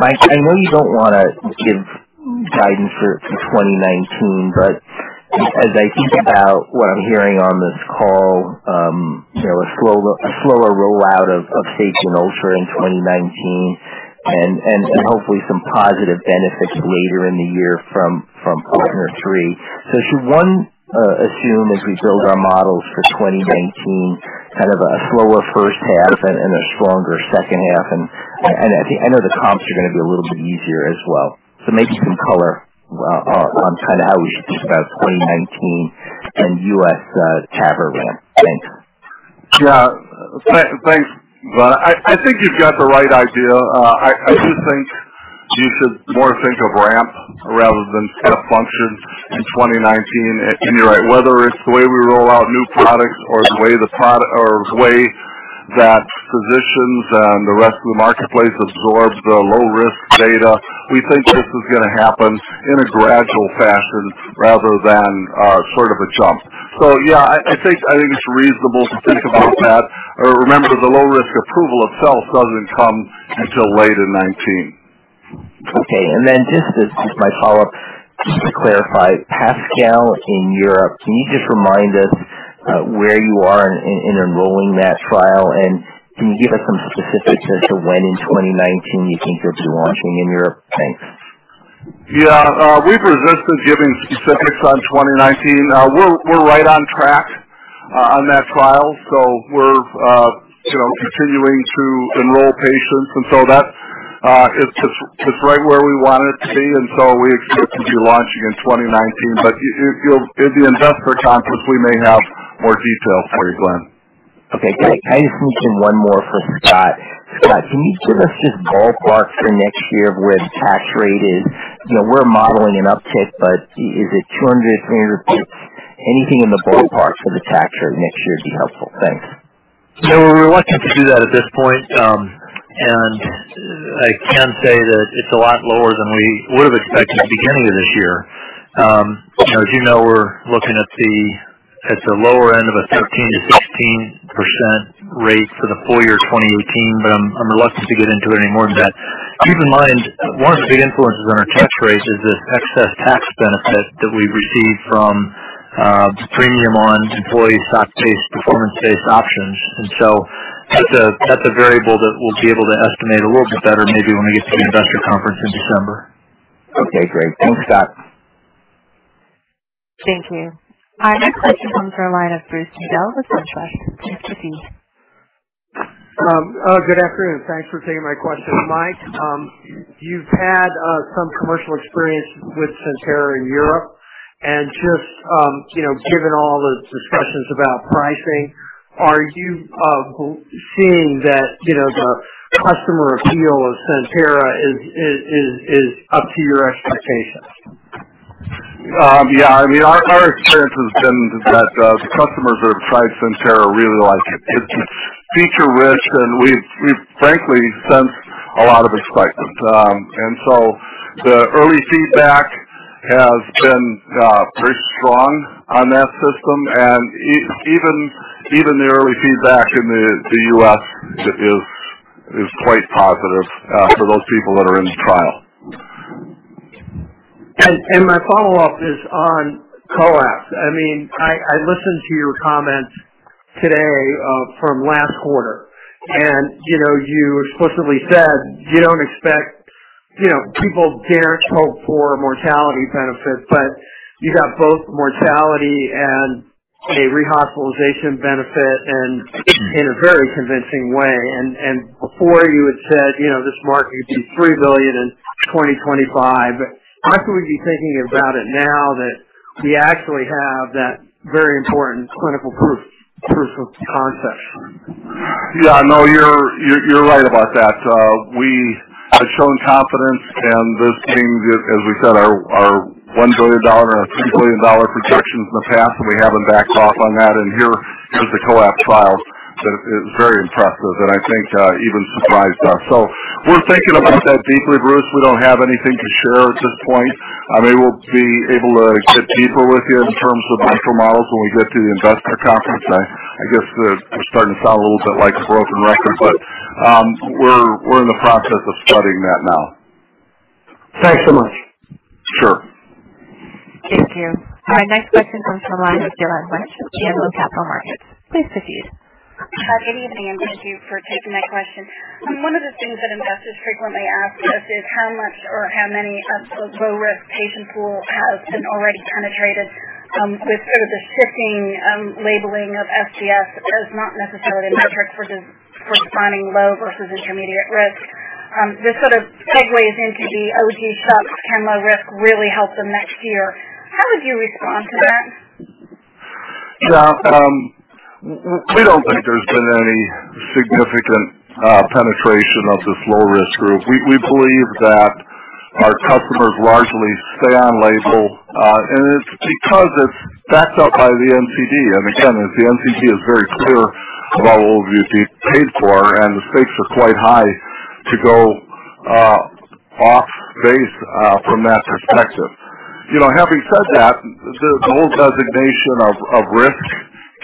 S13: Mike, I know you don't want to give guidance for 2019, as I think about what I'm hearing on this call, a slower rollout of SAPIEN 3 Ultra in 2019 and hopefully some positive benefits later in the year from PARTNER 3. Should one assume as we build our models for 2019, kind of a slower first half and a stronger second half? I know the comps are going to be a little bit easier as well, maybe some color on how we should think about 2019 and U.S. ramp. Thanks.
S3: Yeah. Thanks, Glenn. I think you've got the right idea. I do think you should more think of ramp rather than step function in 2019. You're right, whether it's the way we roll out new products or the way that physicians and the rest of the marketplace absorbs the low-risk data, we think this is going to happen in a gradual fashion rather than sort of a jump. Yeah, I think it's reasonable to think about that. Remember, the low-risk approval itself doesn't come until late in 2019.
S13: Okay. Just as my follow-up, just to clarify, PASCAL in Europe, can you just remind us where you are in enrolling that trial? Can you give us some specifics as to when in 2019 you think you'll be launching in Europe? Thanks.
S3: Yeah. We've resisted giving specifics on 2019. We're right on track on that trial, we're continuing to enroll patients, that is just right where we want it to be, we expect to be launching in 2019. At the investor conference, we may have more details for you, Glenn.
S13: Okay. Can I just sneak in one more for Scott? Scott, can you give us just ballpark for next year of where the tax rate is? We're modeling an uptick, is it 200, 300 basis points? Anything in the ballpark for the tax rate next year would be helpful. Thanks.
S4: We're reluctant to do that at this point. I can say that it's a lot lower than we would've expected at the beginning of this year. As you know, we're looking at the lower end of a 13%-16% rate for the full year 2018, I'm reluctant to get into it any more than that. Keep in mind, one of the big influences on our tax rate is this excess tax benefit that we receive from premium on employee stock-based, performance-based options. That's a variable that we'll be able to estimate a little bit better maybe when we get to the investor conference in December.
S13: Okay, great. Thanks, Scott.
S1: Thank you. Our next question comes from the line of Bruce Nudell with SunTrust. Please proceed.
S14: Good afternoon. Thanks for taking my question. Mike, you've had some commercial experience with Centera in Europe, and just given all the discussions about pricing, are you seeing that the customer appeal of Centera is up to your expectations?
S3: Yeah. Our experience has been that the customers who have tried Centera really like it. It's feature-rich, and we've frankly sensed a lot of excitement. So the early feedback has been pretty strong on that system, and even the early feedback in the U.S. is quite positive for those people that are in the trial.
S14: My follow-up is on COAPT. I listened to your comments today from last quarter, and you explicitly said you don't expect people to dare hope for mortality benefits, but you got both mortality and a rehospitalization benefit and in a very convincing way. Before you had said this market could be $3 billion in 2025. How should we be thinking about it now that we actually have that very important clinical proof of concept?
S3: Yeah, no, you're right about that. We have shown confidence and this came, as we said, our $1 billion or $3 billion projections in the past, and we haven't backed off on that. Here's the COAPT trial that is very impressive and I think even surprised us. We're thinking about that deeply, Bruce. We don't have anything to share at this point. We'll be able to get deeper with you in terms of the financial models when we get to the investor conference. I guess we're starting to sound a little bit like a broken record, but we're in the process of studying that now.
S14: Thanks so much.
S3: Sure.
S1: Thank you. Our next question comes from the line of Joanne Wuensch with Janney Capital Markets. Please proceed.
S15: Scott, good evening. Thank you for taking my question. One of the things that investors frequently ask us is how much or how many of the low-risk patient pool has been already penetrated with sort of the shifting labeling of SDF as not necessarily a metric for defining low versus intermediate risk. This sort of segues into the OD shocks, can low risk really help them next year? How would you respond to that?
S4: We don't think there's been any significant penetration of this low-risk group. We believe that our customers largely stay on label, it's because it's backed up by the NCD. Again, the NCD is very clear about what will be paid for, the stakes are quite high to go off base from that perspective. Having said that, the whole designation of risk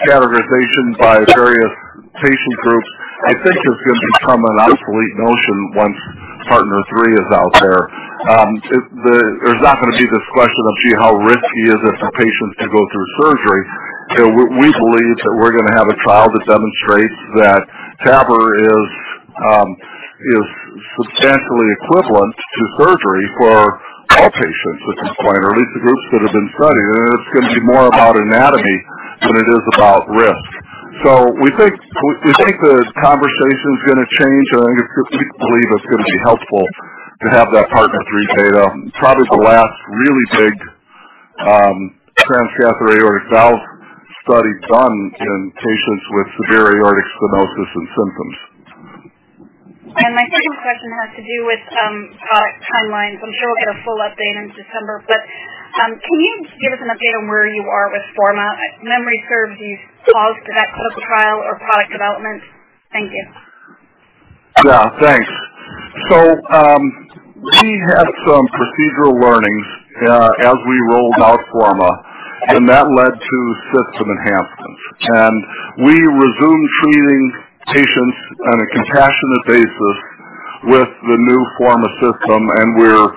S4: categorization by various patient groups, I think, is going to become an obsolete notion once PARTNER 3 is out there. There's not going to be this question of, "Gee, how risky is it for patients to go through surgery?" We believe that we're going to have a trial that demonstrates that TAVR is substantially equivalent to surgery for all patients at this point, or at least the groups that have been studied. It's going to be more about anatomy than it is about risk. We think the conversation's going to change, we believe it's going to be helpful to have that PARTNER 3 data. Probably the last really big transcatheter aortic valve study done in patients with severe aortic stenosis and symptoms.
S15: My second question has to do with product timelines. I'm sure we'll get a full update in December, but can you just give us an update on where you are with FORMA? If memory serves you paused that clinical trial or product development. Thank you.
S3: Yeah, thanks. We had some procedural learnings as we rolled out FORMA, that led to system enhancements. We resumed treating patients on a compassionate basis with the new FORMA system, we're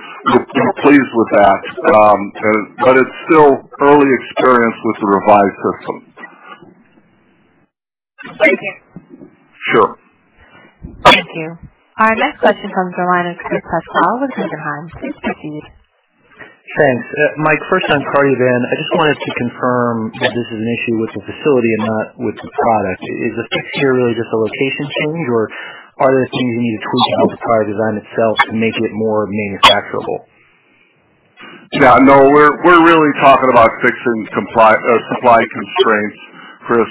S3: pleased with that. It's still early experience with the revised system.
S15: Thank you.
S3: Sure.
S1: Thank you. Our next question comes from the line of Chris Pasco, Goldman Sachs. Please proceed.
S16: Thanks. Mike, first on Cardioband. I just wanted to confirm that this is an issue with the facility and not with the product. Is the fix here really just a location change, or are there things you need to tweak about the Cardioband design itself to make it more manufacturable?
S3: Yeah, no, we're really talking about fixing supply constraints, Chris.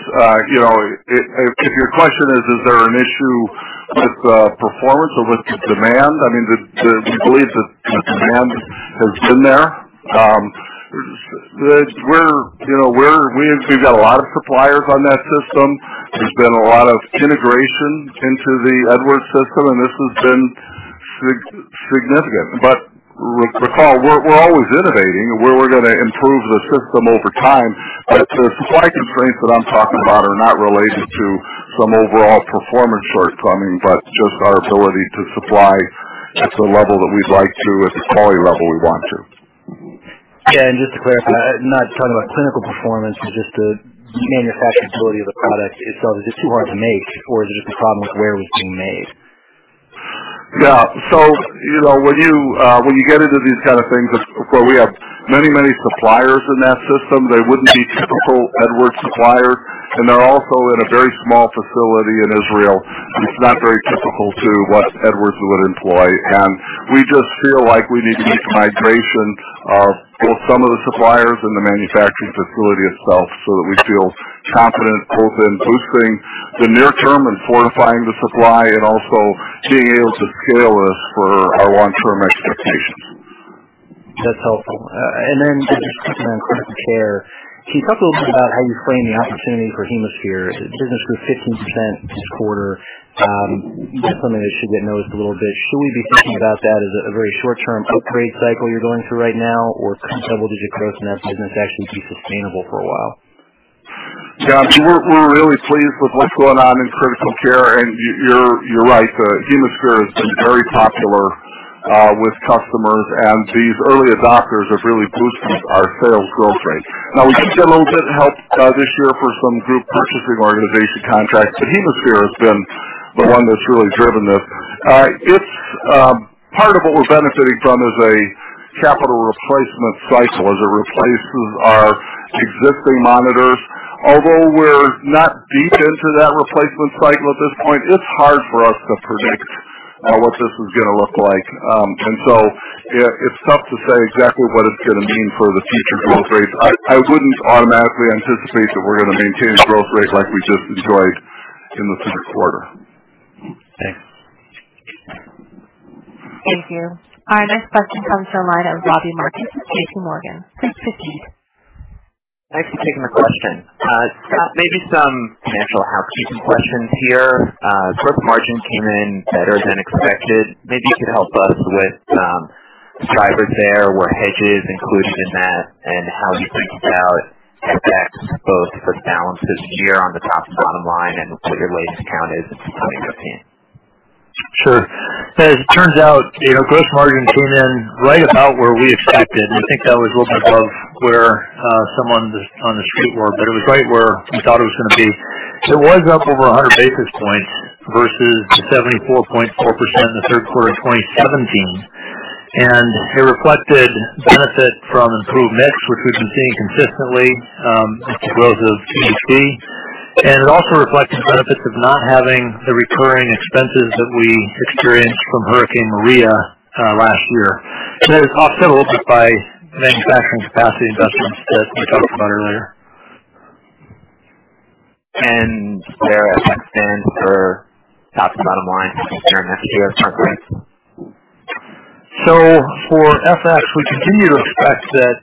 S3: If your question is there an issue with performance or with the demand? We believe that the demand has been there. We've got a lot of suppliers on that system. There's been a lot of integration into the Edwards system, and this has been significant. Recall, we're always innovating, and we're going to improve the system over time. The supply constraints that I'm talking about are not related to some overall performance shortcoming, but just our ability to supply at the level that we'd like to at the quality level we want to.
S16: Yeah. Just to clarify, I'm not talking about clinical performance, but just the manufacturability of the product itself. Is it too hard to make, or is it just a problem with where it was being made?
S3: Yeah. When you get into these kind of things where we have many suppliers in that system, they wouldn't be typical Edwards suppliers, and they're also in a very small facility in Israel. It's not very typical to what Edwards would employ, we just feel like we need to make a migration of both some of the suppliers and the manufacturing facility itself so that we feel confident both in boosting the near term and fortifying the supply and also being able to scale this for our long-term expectations.
S16: That's helpful. Just on critical care, can you talk a little bit about how you're framing the opportunity for HemoSphere? The business was 15% this quarter. Definitely should get noticed a little bit. Should we be thinking about that as a very short-term upgrade cycle you're going through right now, or could double-digit growth in that business actually be sustainable for a while?
S3: Yeah. We're really pleased with what's going on in critical care. You're right, HemoSphere has been very popular with customers, and these early adopters have really boosted our sales growth rate. Now we did get a little bit of help this year for some group purchasing organization contracts, HemoSphere has been the one that's really driven this. Part of what we're benefiting from is a capital replacement cycle as it replaces our existing monitors. Although we're not deep into that replacement cycle at this point, it's hard for us to predict what this is going to look like. It's tough to say exactly what it's going to mean for the future growth rates. I wouldn't automatically anticipate that we're going to maintain a growth rate like we just enjoyed in the third quarter.
S16: Thanks.
S1: Thank you. Our next question comes from the line of Robbie Marcus with JPMorgan. Please proceed.
S17: Thanks for taking the question. Scott, maybe some financial housekeeping questions here. Gross margin came in better than expected. Maybe you could help us with drivers there. Were hedges included in that, and how you think about effects both for balance this year on the top to bottom line and what your latest count is in 2015?
S4: Sure. As it turns out, gross margin came in right about where we expected. I think that was a little bit above where some on the street were, but it was right where we thought it was going to be. It was up over 100 basis points versus the 74.4% in the third quarter of 2017. It reflected benefit from improved mix, which we've been seeing consistently with the growth of TAVR. It also reflected benefits of not having the recurring expenses that we experienced from Hurricane Maria last year.
S17: That is offset a little bit by manufacturing capacity investments that we talked about earlier. Their effect then for top and bottom line compared next year, correct?
S4: For FX, we continue to expect that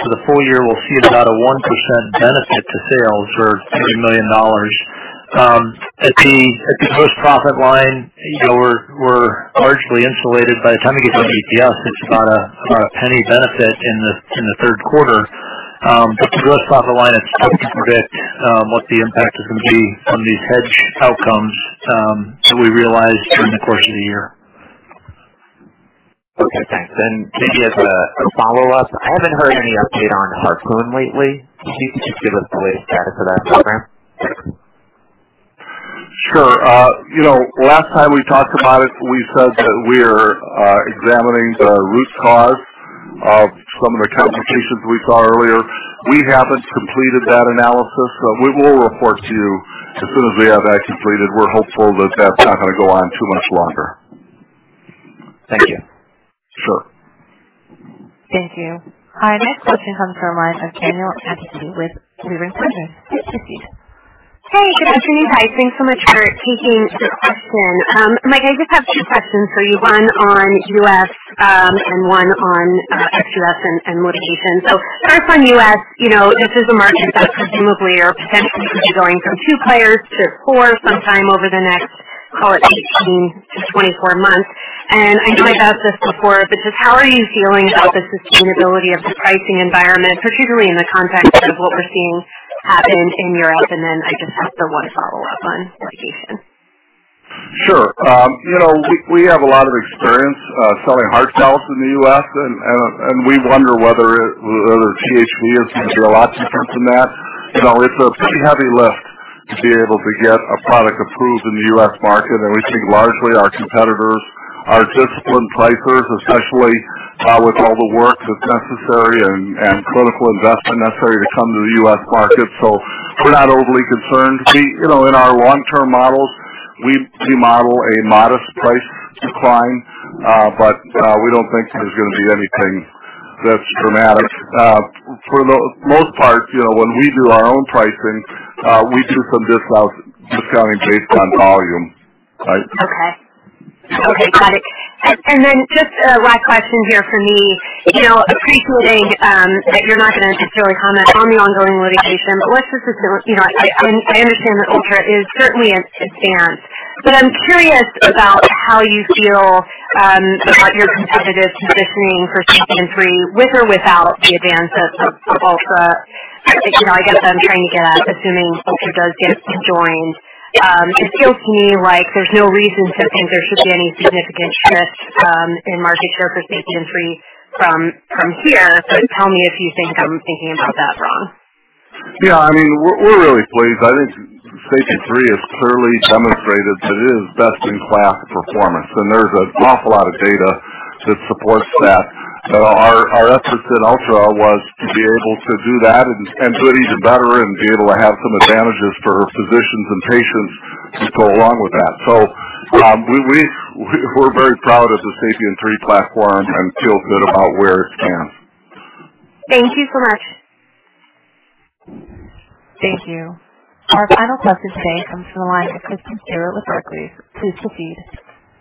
S4: for the full year, we'll see about a 1% benefit to sales or $3 million. At the gross profit line, we're largely insulated. By the time you get to EPS, it's about a penny benefit in the third quarter. For gross profit line, it's tough to predict what the impact is going to be from these hedge outcomes that we realize during the course of the year.
S17: Okay, thanks. Maybe as a follow-up, I haven't heard any update on HARPOON lately. Can you just give us the latest data for that program?
S3: Sure. Last time we talked about it, we said that we're examining the root cause of some of the complications we saw earlier. We haven't completed that analysis. We will report to you as soon as we have that completed. We're hopeful that that's not going to go on too much longer.
S17: Thank you.
S3: Sure.
S1: Thank you. Our next question comes from the line of Danielle Antalffy with Raymond James. Please proceed.
S18: Hey, good afternoon, guys. Thanks so much for taking the question. Mike, I just have two questions for you, one on U.S. and one on Ex-U.S. and litigation. First on U.S., this is a market that presumably or potentially could be going from two players to four sometime over the next, call it 18-24 months. I know I've asked this before, but just how are you feeling about the sustainability of the pricing environment, particularly in the context of what we're seeing happen in Europe? Then I just have the one follow-up on litigation.
S3: Sure. We have a lot of experience selling heart valves in the U.S., and we wonder whether THV is going to be a lot different from that. It's a pretty heavy lift to be able to get a product approved in the U.S. market, and we think largely our competitors are disciplined pricers, especially with all the work that's necessary and clinical investment necessary to come to the U.S. market. We're not overly concerned. In our long-term models, we model a modest price decline, but we don't think there's going to be anything that's dramatic. For the most part, when we do our own pricing, we do some discounts, discounting based on volume. Right.
S18: Okay. Got it. Then just a last question here from me. Appreciating that you're not going to necessarily comment on the ongoing litigation, but let's just assume, I understand that Ultra is certainly advanced. I'm curious about how you feel about your competitive positioning for SAPIEN 3 with or without the advance of Ultra. I guess what I'm trying to get at, assuming Ultra does get joined. It feels to me like there's no reason to think there should be any significant shift in market share for SAPIEN 3 from here, but tell me if you think I'm thinking about that wrong.
S3: Yeah, we're really pleased. I think SAPIEN 3 has clearly demonstrated that it is best-in-class performance, there's an awful lot of data that supports that. Our efforts at Ultra was to be able to do that and do it even better and be able to have some advantages for physicians and patients to go along with that. We're very proud of the SAPIEN 3 platform and feel good about where it stands.
S18: Thank you so much.
S1: Thank you. Our final question today comes from the line of Kristen Stewart with Barclays. Please proceed.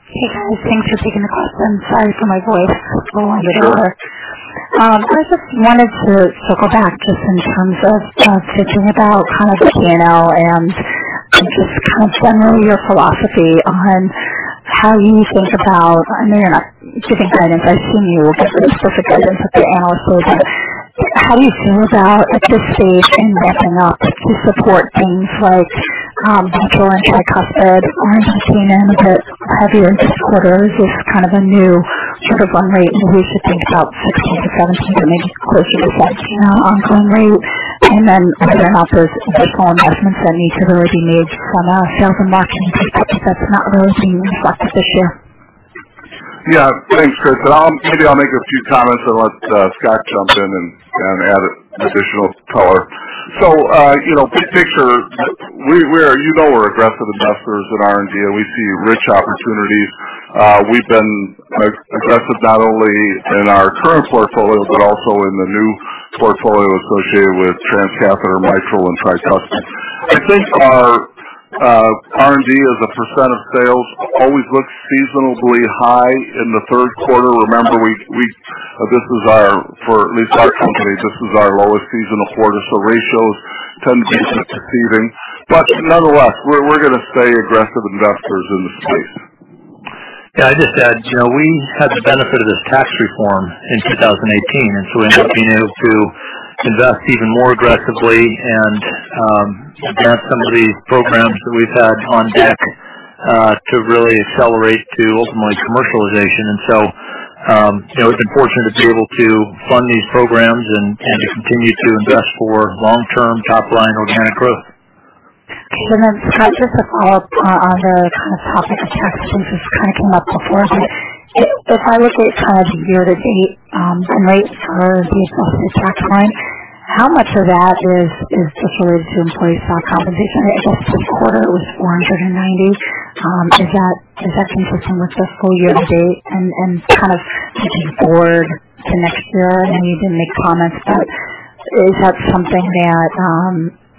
S19: Hey, guys, thanks for taking the question. Sorry for my voice. Little winded here. I just wanted to circle back just in terms of thinking about P&L and just generally your philosophy on how you think about, you're not keeping quiet, I've seen you give specific guidance with the analysts, but how do you feel about at this stage in ramping up to support things like Mitral and Tricuspid? Are you seeing in a bit heavier quarters this kind of a new sort of run rate where we should think about 16%-17% maybe closer to that P&L ongoing rate? Other helpful investments that need to already be made from a sales and marketing perspective that's not really being invested this year.
S3: Thanks, Kristen. Maybe I'll make a few comments and let Scott jump in and add additional color. Big picture, you know we're aggressive investors in R&D, and we see rich opportunities. We've been aggressive not only in our current portfolio but also in the new portfolio associated with transcatheter mitral and tricuspid. I think our R&D as a percent of sales always looks seasonably high in the third quarter. Remember, for at least our company, this is our lowest seasonal quarter, so ratios tend to be deceiving. Nonetheless, we're going to stay aggressive investors in the space.
S4: I'd just add, we had the benefit of this tax reform in 2018, we've been able to invest even more aggressively and advance some of these programs that we've had on deck to really accelerate to ultimately commercialization. It's been fortunate to be able to fund these programs and to continue to invest for long-term top-line organic growth.
S19: Okay. Scott, just to follow up on the topic of tax changes, this kind of came up before, if I look at year-to-date run rate for the associated tax rate, how much of that is just related to employee stock compensation? I guess this quarter it was 490. Is that consistent with the full year to date? Looking forward to next year, I know you didn't make comments, is that something that,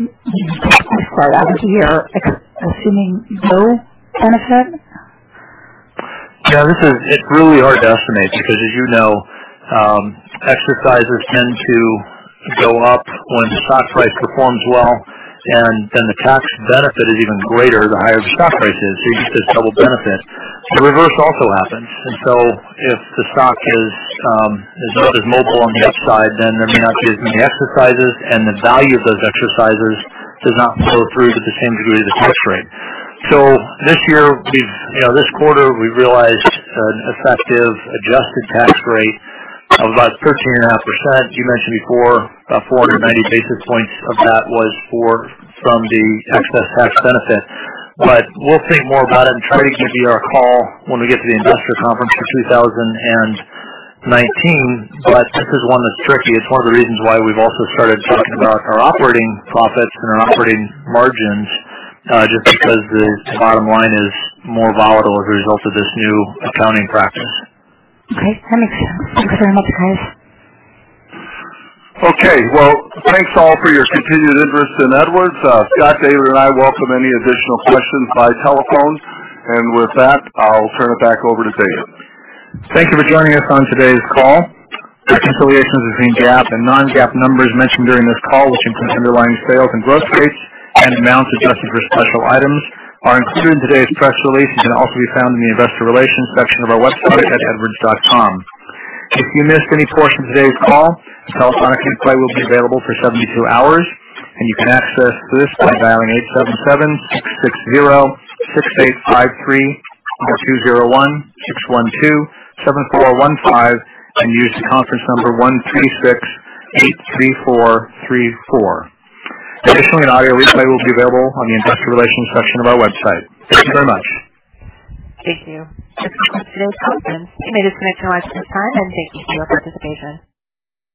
S19: this quarter, this year, assuming no benefit?
S4: It's really hard to estimate because as you know, exercises tend to go up when the stock price performs well, and then the tax benefit is even greater the higher the stock price is. You get this double benefit. The reverse also happens. If the stock is not as mobile on the upside, then there may not be as many exercises, and the value of those exercises does not flow through to the same degree as the tax rate. This quarter, we realized an effective adjusted tax rate of about 13.5%. You mentioned before, about 490 basis points of that was from the excess tax benefit. We'll think more about it and try to give you our call when we get to the investor conference for 2019. This is one that's tricky. It's one of the reasons why we've also started talking about our operating profits and our operating margins, just because the bottom line is more volatile as a result of this new accounting practice.
S19: Okay, that makes sense. Thanks very much, guys.
S3: Okay, well, thanks all for your continued interest in Edwards. Scott, David, and I welcome any additional questions by telephone. With that, I'll turn it back over to David.
S2: Thank you for joining us on today's call. The reconciliations between GAAP and non-GAAP numbers mentioned during this call, which include underlying sales and growth rates and amounts adjusted for special items, are included in today's press release and can also be found in the investor relations section of our website at edwards.com. If you missed any portion of today's call, a telephone replay will be available for 72 hours. You can access this by dialing 877-660-6853 or 201-612-7415, and use the conference number 13683434. Additionally, an audio replay will be available on the investor relations section of our website. Thank you very much.
S1: Thank you. This concludes today's conference. You may disconnect your lines at this time, and thank you for your participation.